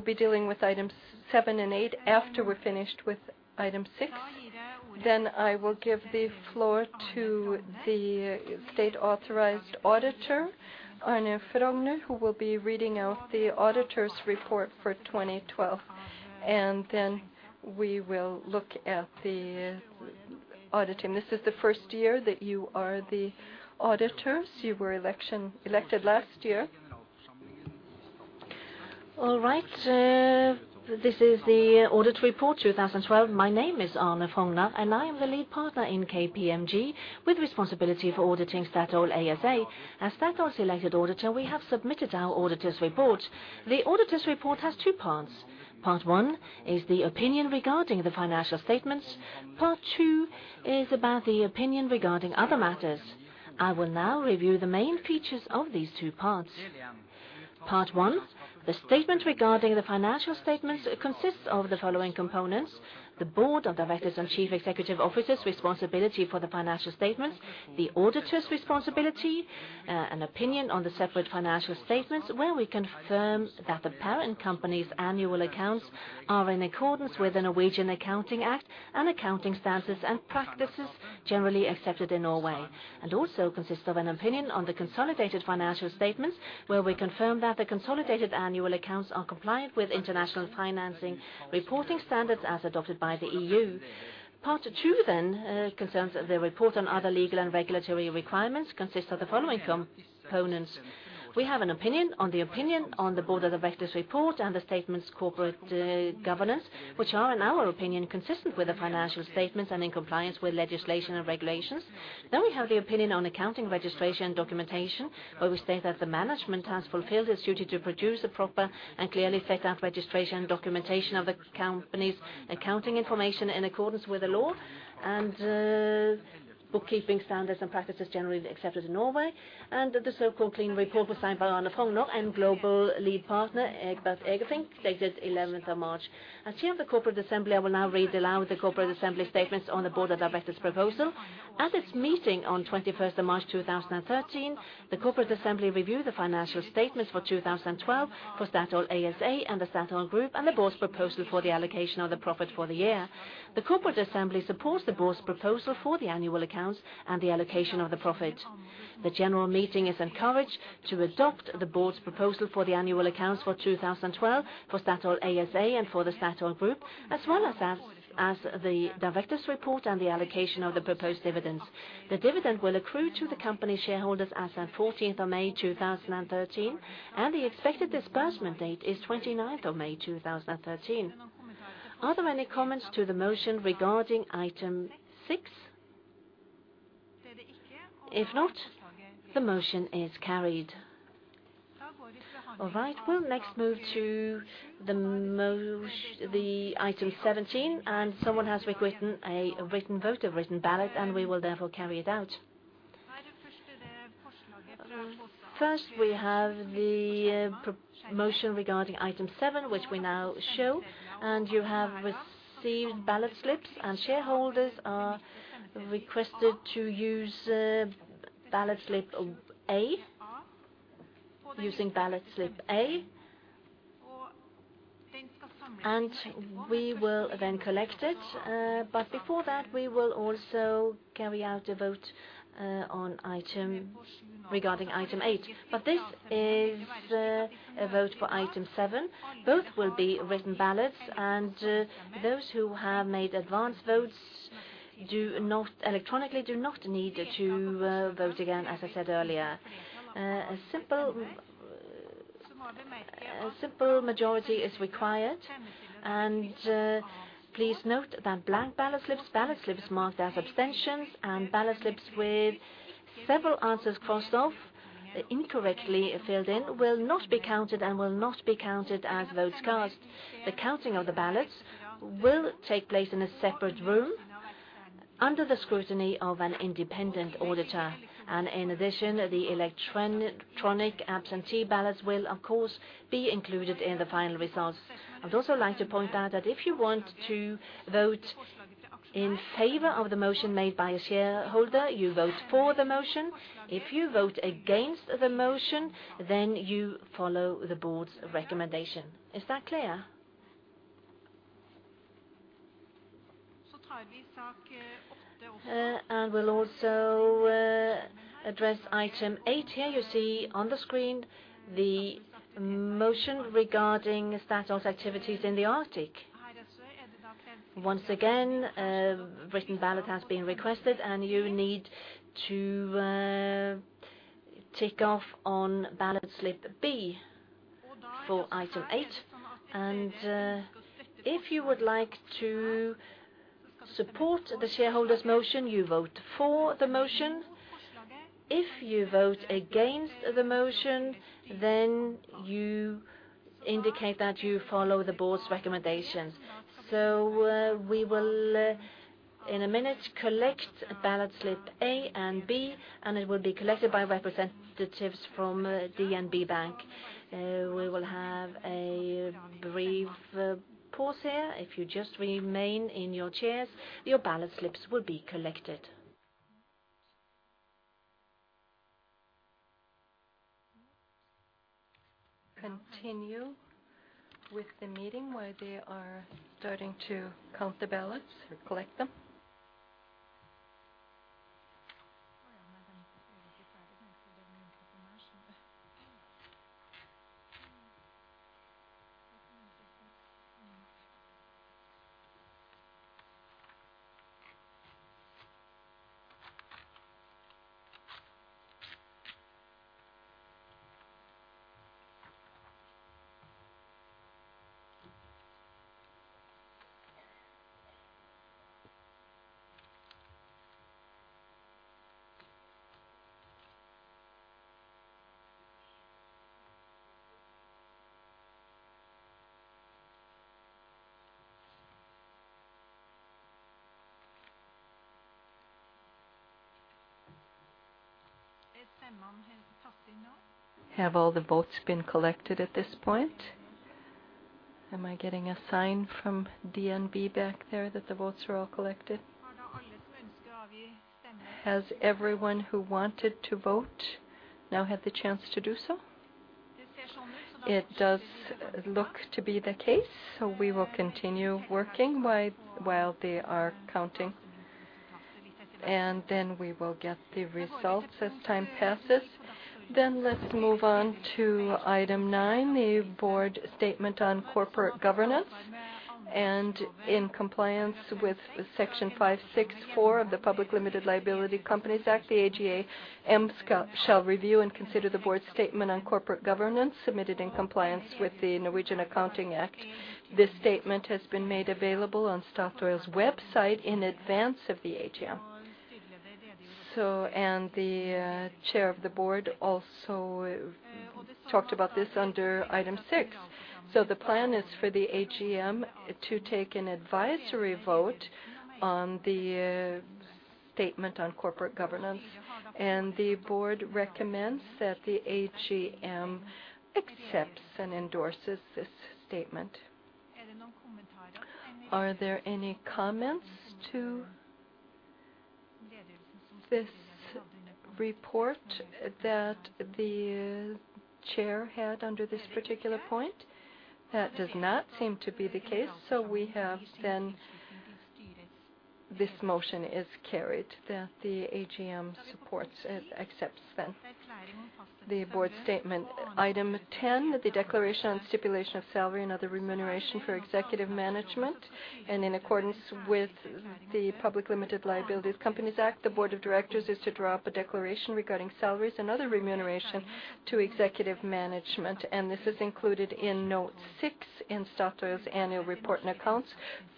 be dealing with Items 7 and 8 after we're finished with Item 6. I will give the floor to the State-authorized Auditor Arne Frogner, who will be reading out the auditor's report for 2012. We will look at the auditing. This is the first year that you are the auditors. You were elected last year. All right, this is the audit report 2012. My name is Arne Frogner, and I am the lead partner in KPMG with responsibility for auditing Statoil ASA. As Statoil's elected auditor, we have submitted our auditor's report. The auditor's report has two parts. Part one is the opinion regarding the financial statements. Part two is about the opinion regarding other matters. I will now review the main features of these two parts. Part one, the statement regarding the financial statements consists of the following components, the Board of Directors and Chief Executive Officers responsibility for the financial statements, the auditor's responsibility, an opinion on the separate financial statements where we confirm that the parent company's annual accounts are in accordance with the Norwegian Accounting Act and accounting standards and practices generally accepted in Norway. Also consists of an opinion on the consolidated financial statements, where we confirm that the consolidated annual accounts are compliant with International Financial Reporting Standards as adopted by the EU. Part two concerns the report on other legal and regulatory requirements consists of the following components. We have an opinion on the Board of Directors' report and the statements on corporate governance, which are, in our opinion, consistent with the financial statements and in compliance with legislation and regulations. We have the opinion on accounting registration and documentation, where we state that the management has fulfilled its duty to produce a proper and clearly set out registration and documentation of the company's accounting information in accordance with the law and bookkeeping standards and practices generally accepted in Norway. The so-called clean report was signed by Arne Frogner and Global Lead Partner Egbert Eggink, dated 11th of March. As Chair of the Corporate Assembly, I will now read aloud the Corporate Assembly statements on the Board of Directors' proposal. At its meeting on 21st of March 2013, the Corporate Assembly reviewed the financial statements for 2012 for Statoil ASA and the Statoil Group and the Board's proposal for the allocation of the profit for the year. The Corporate Assembly supports the Board's proposal for the annual accounts and the allocation of the profit. The general meeting is encouraged to adopt the Board's proposal for the annual accounts for 2012 for Statoil ASA and for the Statoil Group, as well as the Directors' Report and the allocation of the proposed dividends. The dividend will accrue to the company shareholders as at 14th of May 2013, and the expected disbursement date is 29th of May 2013. Are there any comments to the motion regarding Item 6? If not, the motion is carried. All right. We'll next move to the Item 1I, and someone has requested a written vote, a written ballot, and we will therefore carry it out. First, we have the motion regarding Item 7, which we now show, and you have received ballot slips, and shareholders are requested to use ballot slip A. Using ballot slip A. And we will then collect it. But before that, we will also carry out a vote regarding Item 8. But this is a vote for Item 7. Both will be written ballots, and those who have made advance votes electronically do not need to vote again, as I said earlier. A simple majority is required. Please note that blank ballot slips, ballot slips marked as abstentions, and ballot slips with several answers crossed off or incorrectly filled in will not be counted as votes cast. The counting of the ballots will take place in a separate room under the scrutiny of an independent auditor. In addition, the electronic absentee ballots will of course be included in the final results. I'd also like to point out that if you want to vote in favor of the motion made by a shareholder, you vote for the motion. If you vote against the motion, then you follow the board's recommendation. Is that clear? We'll also address Item 8. Here you see on the screen the motion regarding Statoil's activities in the Arctic. Once again, a written ballot has been requested, and you need to tick off on ballot slip B for Item 8. If you would like to support the shareholder's motion, you vote for the motion. If you vote against the motion, you indicate that you follow the board's recommendations. We will, in a minute, collect ballot slip A and B, and it will be collected by representatives from DNB Bank. We will have a brief pause here. If you just remain in your chairs, your ballot slips will be collected. Continue with the meeting while they are starting to count the ballots, collect them. Have all the votes been collected at this point? Am I getting a sign from DNB back there that the votes are all collected? Has everyone who wanted to vote now had the chance to do so? It does look to be the case, so we will continue working while they are counting, and then we will get the results as time passes. Let's move on to Item 9, the board statement on corporate governance. In compliance with Section 564 of the Norwegian Public Limited Liability Companies Act, the AGM shall review and consider the board's statement on corporate governance submitted in compliance with the Norwegian Accounting Act. This statement has been made available on Statoil's website in advance of the AGM. The chair of the board also talked about this under Item 6. The plan is for the AGM to take an advisory vote on the statement on corporate governance, and the board recommends that the AGM accepts and endorses this statement. Are there any comments to this report that the chair had under this particular point? That does not seem to be the case. We have then. This motion is carried that the AGM supports and accepts then the board statement. Item 10, the declaration and stipulation of salary and other remuneration for executive management. In accordance with the Public Limited Liability Companies Act, the board of directors is to draw up a declaration regarding salaries and other remuneration to executive management. This is included in note 6 in Statoil's annual report and accounts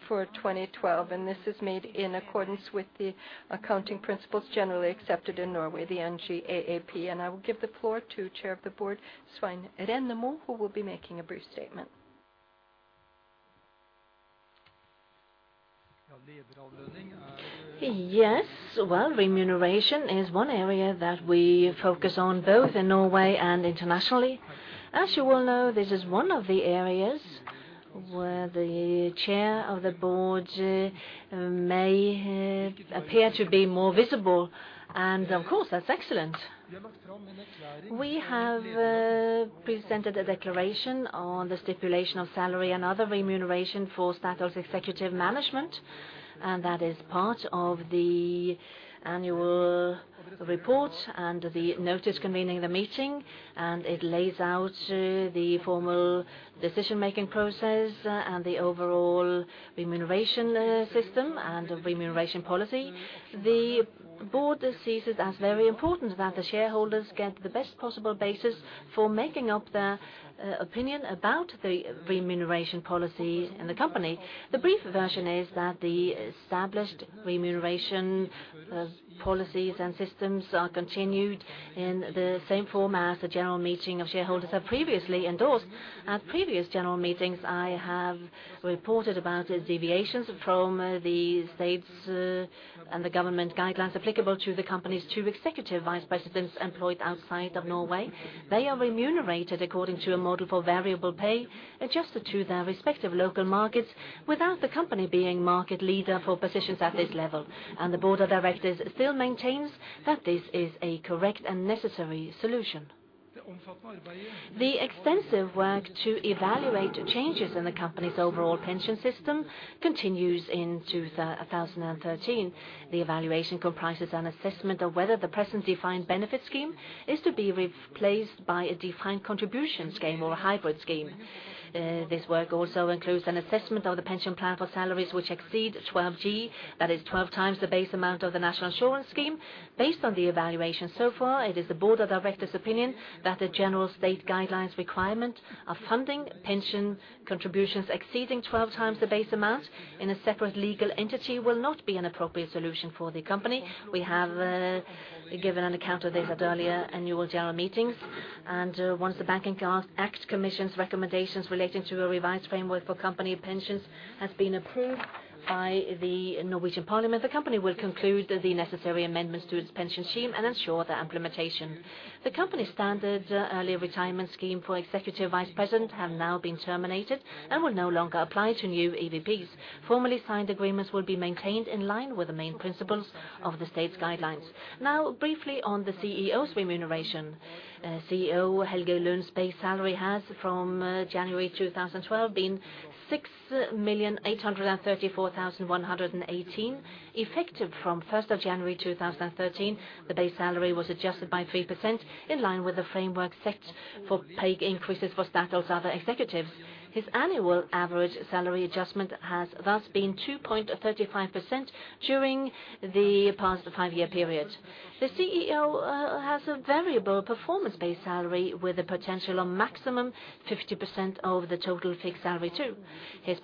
for 2012. This is made in accordance with the accounting principles generally accepted in Norway, the NGAAP. I will give the floor to Chair of the Board, Svein Rennemo, who will be making a brief statement. Yes. Well, remuneration is one area that we focus on both in Norway and internationally. As you all know, this is one of the areas where the chair of the board may appear to be more visible. Of course, that's excellent. We have presented a declaration on the stipulation of salary and other remuneration for Statoil's executive management, and that is part of the annual report and the notice convening the meeting. It lays out the formal decision-making process and the overall remuneration system and remuneration policy. The board sees it as very important that the shareholders get the best possible basis for making up their opinion about the remuneration policy in the company. The brief version is that the established remuneration policies and systems are continued in the same form as the general meeting of shareholders have previously endorsed. At previous general meetings, I have reported about the deviations from the state's and the government guidelines applicable to the companies, two executive vice presidents employed outside of Norway. They are remunerated according to a model for variable pay, adjusted to their respective local markets without the company being market leader for positions at this level. The board of directors still maintains that this is a correct and necessary solution. The extensive work to evaluate changes in the company's overall pension system continues into 2013. The evaluation comprises an assessment of whether the present defined benefit scheme is to be replaced by a defined contribution scheme or a hybrid scheme. This work also includes an assessment of the pension plan for salaries which exceed 12 G, that is 12 times the base amount of the National Insurance Scheme. Based on the evaluation so far, it is the board of directors' opinion that the general state guidelines requirement of funding pension contributions exceeding twelve times the base amount in a separate legal entity will not be an appropriate solution for the company. We have given an account of this at earlier annual general meetings, and once the Banking Act Commission's recommendations relating to a revised framework for company pensions has been approved by the Norwegian parliament, the company will conclude the necessary amendments to its pension scheme and ensure their implementation. The company's standard early retirement scheme for executive vice president have now been terminated and will no longer apply to new EVPs. Formally signed agreements will be maintained in line with the main principles of the state's guidelines. Now, briefly on the CEO's remuneration. CEO Helge Lund's base salary has from January 2012 been 6,834,118. Effective from first of January 2013, the base salary was adjusted by 3% in line with the framework set for pay increases for Statoil's other executives. His annual average salary adjustment has thus been 2.35% during the past five-year period. The CEO has a variable performance-based salary with a potential of maximum 50% of the total fixed salary too. The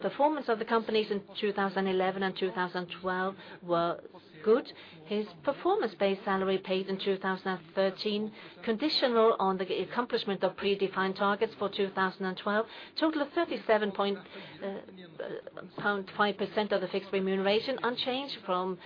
performance of the companies in 2011 and 2012 were good. His performance-based salary paid in 2013, conditional on the accomplishment of predefined targets for 2012, total of 37.5% of the fixed remuneration, unchanged from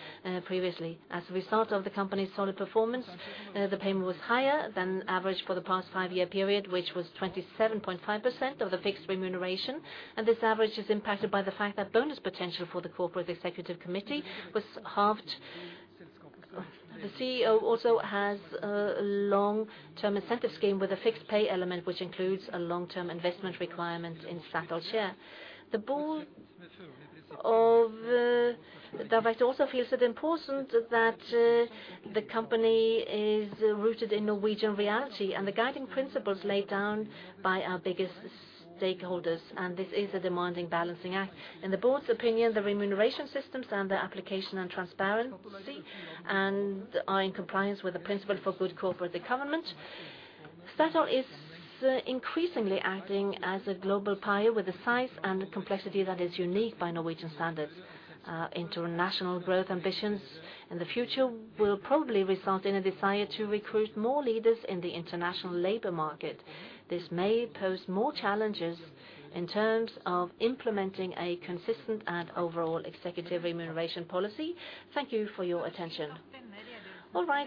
previously. As a result of the company's solid performance, the payment was higher than average for the past five-year period, which was 27.5% of the fixed remuneration. This average is impacted by the fact that bonus potential for the corporate executive committee was halved. The CEO also has a long-term incentive scheme with a fixed pay element, which includes a long-term investment requirement in Statoil share. The board of directors also feels it important that the company is rooted in Norwegian reality and the guiding principles laid down by our biggest stakeholders, and this is a demanding balancing act. In the board's opinion, the remuneration systems and their application and transparency and are in compliance with the principle for good corporate governance. Statoil is increasingly acting as a global player with a size and a complexity that is unique by Norwegian standards. International growth ambitions in the future will probably result in a desire to recruit more leaders in the international labor market. This may pose more challenges in terms of implementing a consistent and overall executive remuneration policy. Thank you for your attention. All right.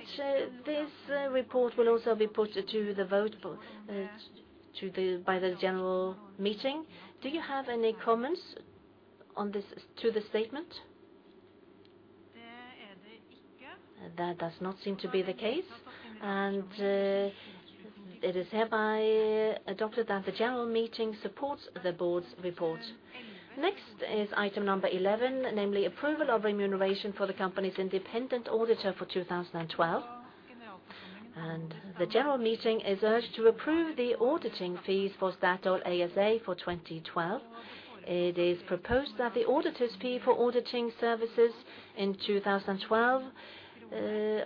This report will also be put to the vote by the general meeting. Do you have any comments on this to the statement? That does not seem to be the case. It is hereby adopted that the general meeting supports the board's report. Next is Item 11, namely approval of remuneration for the company's independent auditor for 2012. The general meeting is urged to approve the auditing fees for Statoil ASA for 2012. It is proposed that the auditor's fee for auditing services in 2012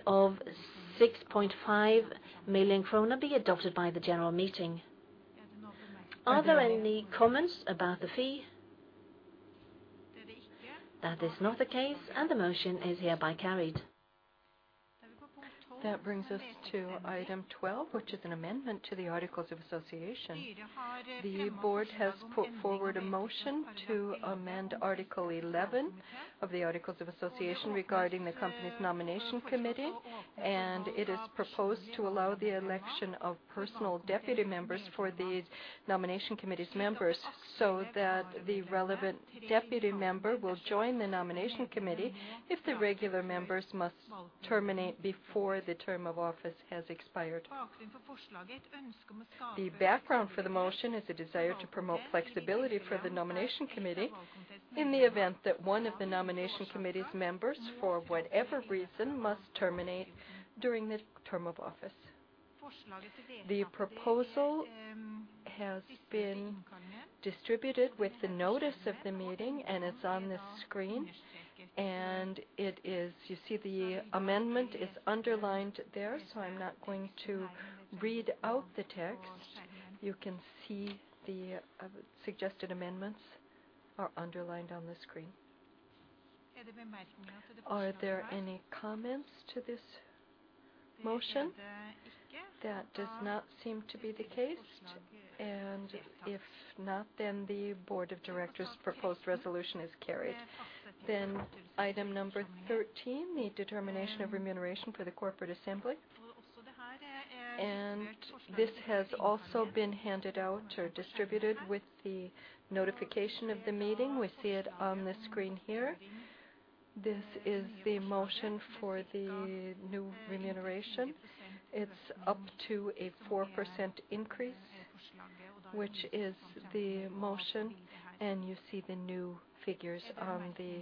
of 6.5 million krone be adopted by the general meeting. Are there any comments about the fee? That is not the case, and the motion is hereby carried. That brings us to Item 12, which is an amendment to the Articles of Association. The board has put forward a motion to amend Article 11 of the Articles of Association regarding the company's nomination committee. It is proposed to allow the election of personal deputy members for the nomination committee's members, so that the relevant deputy member will join the nomination committee if the regular members must terminate before the term of office has expired. The background for the motion is a desire to promote flexibility for the nomination committee in the event that one of the nomination committee's members, for whatever reason, must terminate during the term of office. The proposal has been distributed with the notice of the meeting, and it's on the screen. You see the amendment is underlined there, so I'm not going to read out the text. You can see the suggested amendments are underlined on the screen. Are there any comments to this motion? That does not seem to be the case, and if not, the board of directors' proposed resolution is carried. Item 13, the determination of remuneration for the corporate assembly. This has also been handed out or distributed with the notification of the meeting. We see it on the screen here. This is the motion for the new remuneration. It's up to a 4% increase, which is the motion, and you see the new figures on the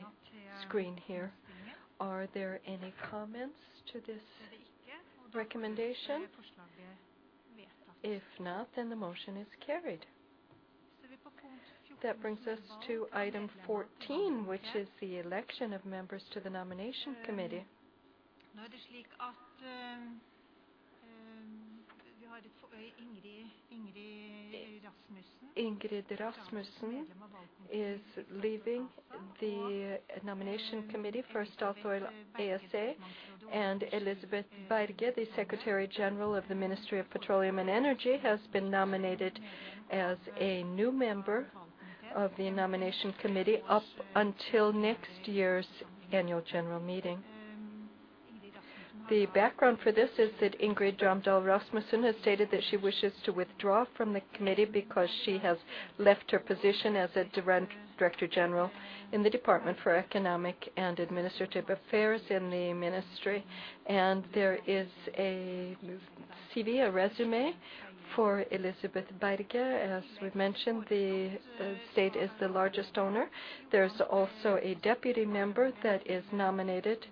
screen here. Are there any comments to this recommendation? If not, the motion is carried. That brings us to Item 14, which is the election of members to the nomination committee. Ingrid Rasmussen is leaving the nomination committee for Statoil ASA, and Elisabeth Berge, the Secretary General of the Ministry of Petroleum and Energy, has been nominated as a new member of the nomination committee up until next year's annual general meeting. The background for this is that Ingrid Dramdal Rasmussen has stated that she wishes to withdraw from the committee because she has left her position as a Director General in the Department for Economic and Administrative Affairs in the ministry. There is a CV, a resume, for Elisabeth Berge. As we've mentioned, the state is the largest owner. There's also a deputy member that is nominated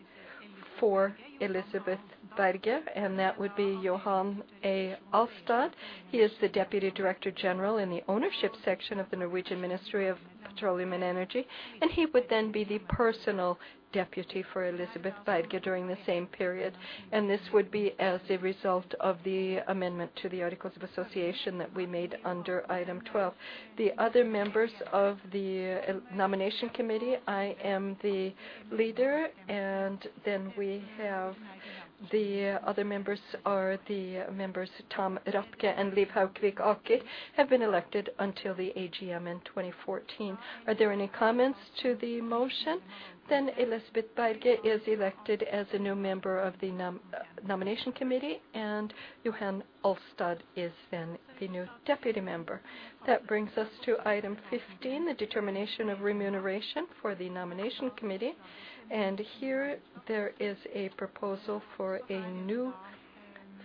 for Elisabeth Berge, and that would be Johan A. Alstad. He is the Deputy Director General in the ownership section of the Norwegian Ministry of Petroleum and Energy, and he would then be the personal deputy for Elisabeth Berge during the same period. This would be as a result of the amendment to the Articles of Association that we made under Item 12. The other members of the nomination committee, I am the leader, and then we have the other members Tom Rathke and Live Haukvik Aker, have been elected until the AGM in 2014. Are there any comments to the motion? Elisabeth Berge is elected as a new member of the nomination committee, and Johan Aalstad is then the new deputy member. That brings us to Item 15, the determination of remuneration for the nomination committee. Here, there is a proposal for a new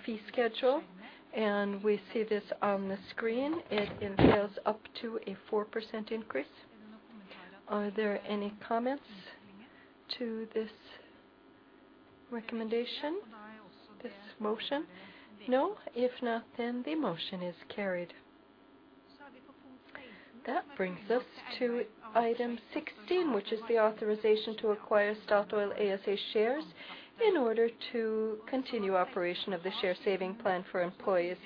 fee schedule, and we see this on the screen. It entails up to a 4% increase. Are there any comments to this recommendation, this motion? No? If not, then the motion is carried. That brings us to Item 16, which is the authorization to acquire Statoil ASA shares in order to continue operation of the share saving plan for employees.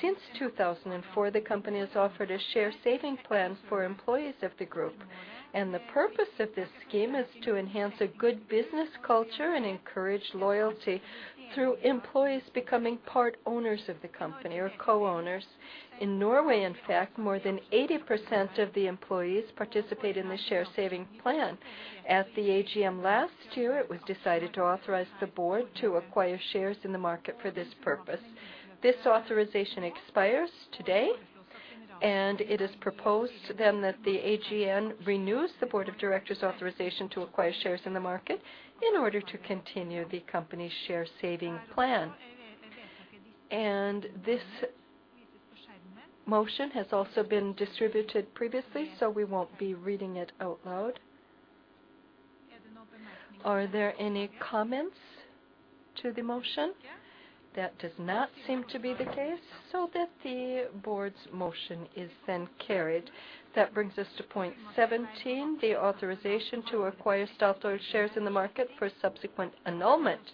Since 2004, the company has offered a share saving plan for employees of the group, and the purpose of this scheme is to enhance a good business culture and encourage loyalty through employees becoming part owners of the company or co-owners. In Norway, in fact, more than 80% of the employees participate in the share saving plan. At the AGM last year, it was decided to authorize the board to acquire shares in the market for this purpose. This authorization expires today, and it is proposed then that the AGM renews the board of directors' authorization to acquire shares in the market in order to continue the company's share saving plan. This motion has also been distributed previously, so we won't be reading it out loud. Are there any comments to the motion? That does not seem to be the case, so that the board's motion is then carried. That brings us to point 17, the authorization to acquire Statoil shares in the market for subsequent annulment.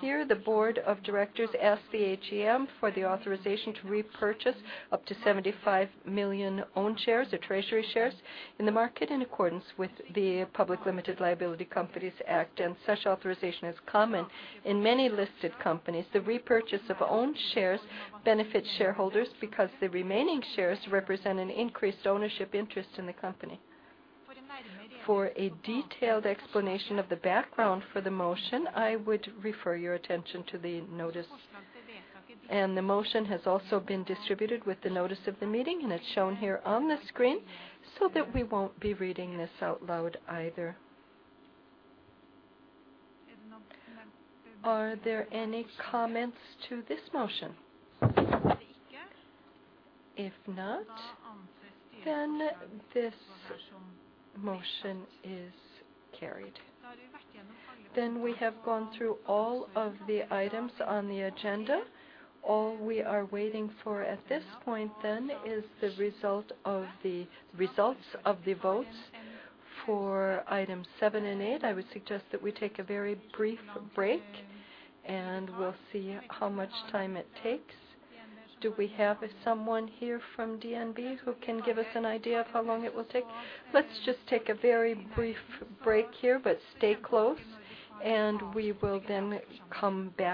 Here, the board of directors ask the AGM for the authorization to repurchase up to 75 million own shares or treasury shares in the market in accordance with the Public Limited Liability Companies Act, and such authorization is common in many listed companies. The repurchase of own shares benefits shareholders because the remaining shares represent an increased ownership interest in the company. For a detailed explanation of the background for the motion, I would refer your attention to the notice. The motion has also been distributed with the notice of the meeting, and it's shown here on the screen so that we won't be reading this out loud either. Are there any comments to this motion? If not, then this motion is carried. We have gone through all of the items on the agenda. All we are waiting for at this point then is the results of the votes for items 7 and 8. I would suggest that we take a very brief break, and we'll see how much time it takes. Do we have someone here from DNB who can give us an idea of how long it will take? Let's just take a very brief break here, but stay close, and we will then come back.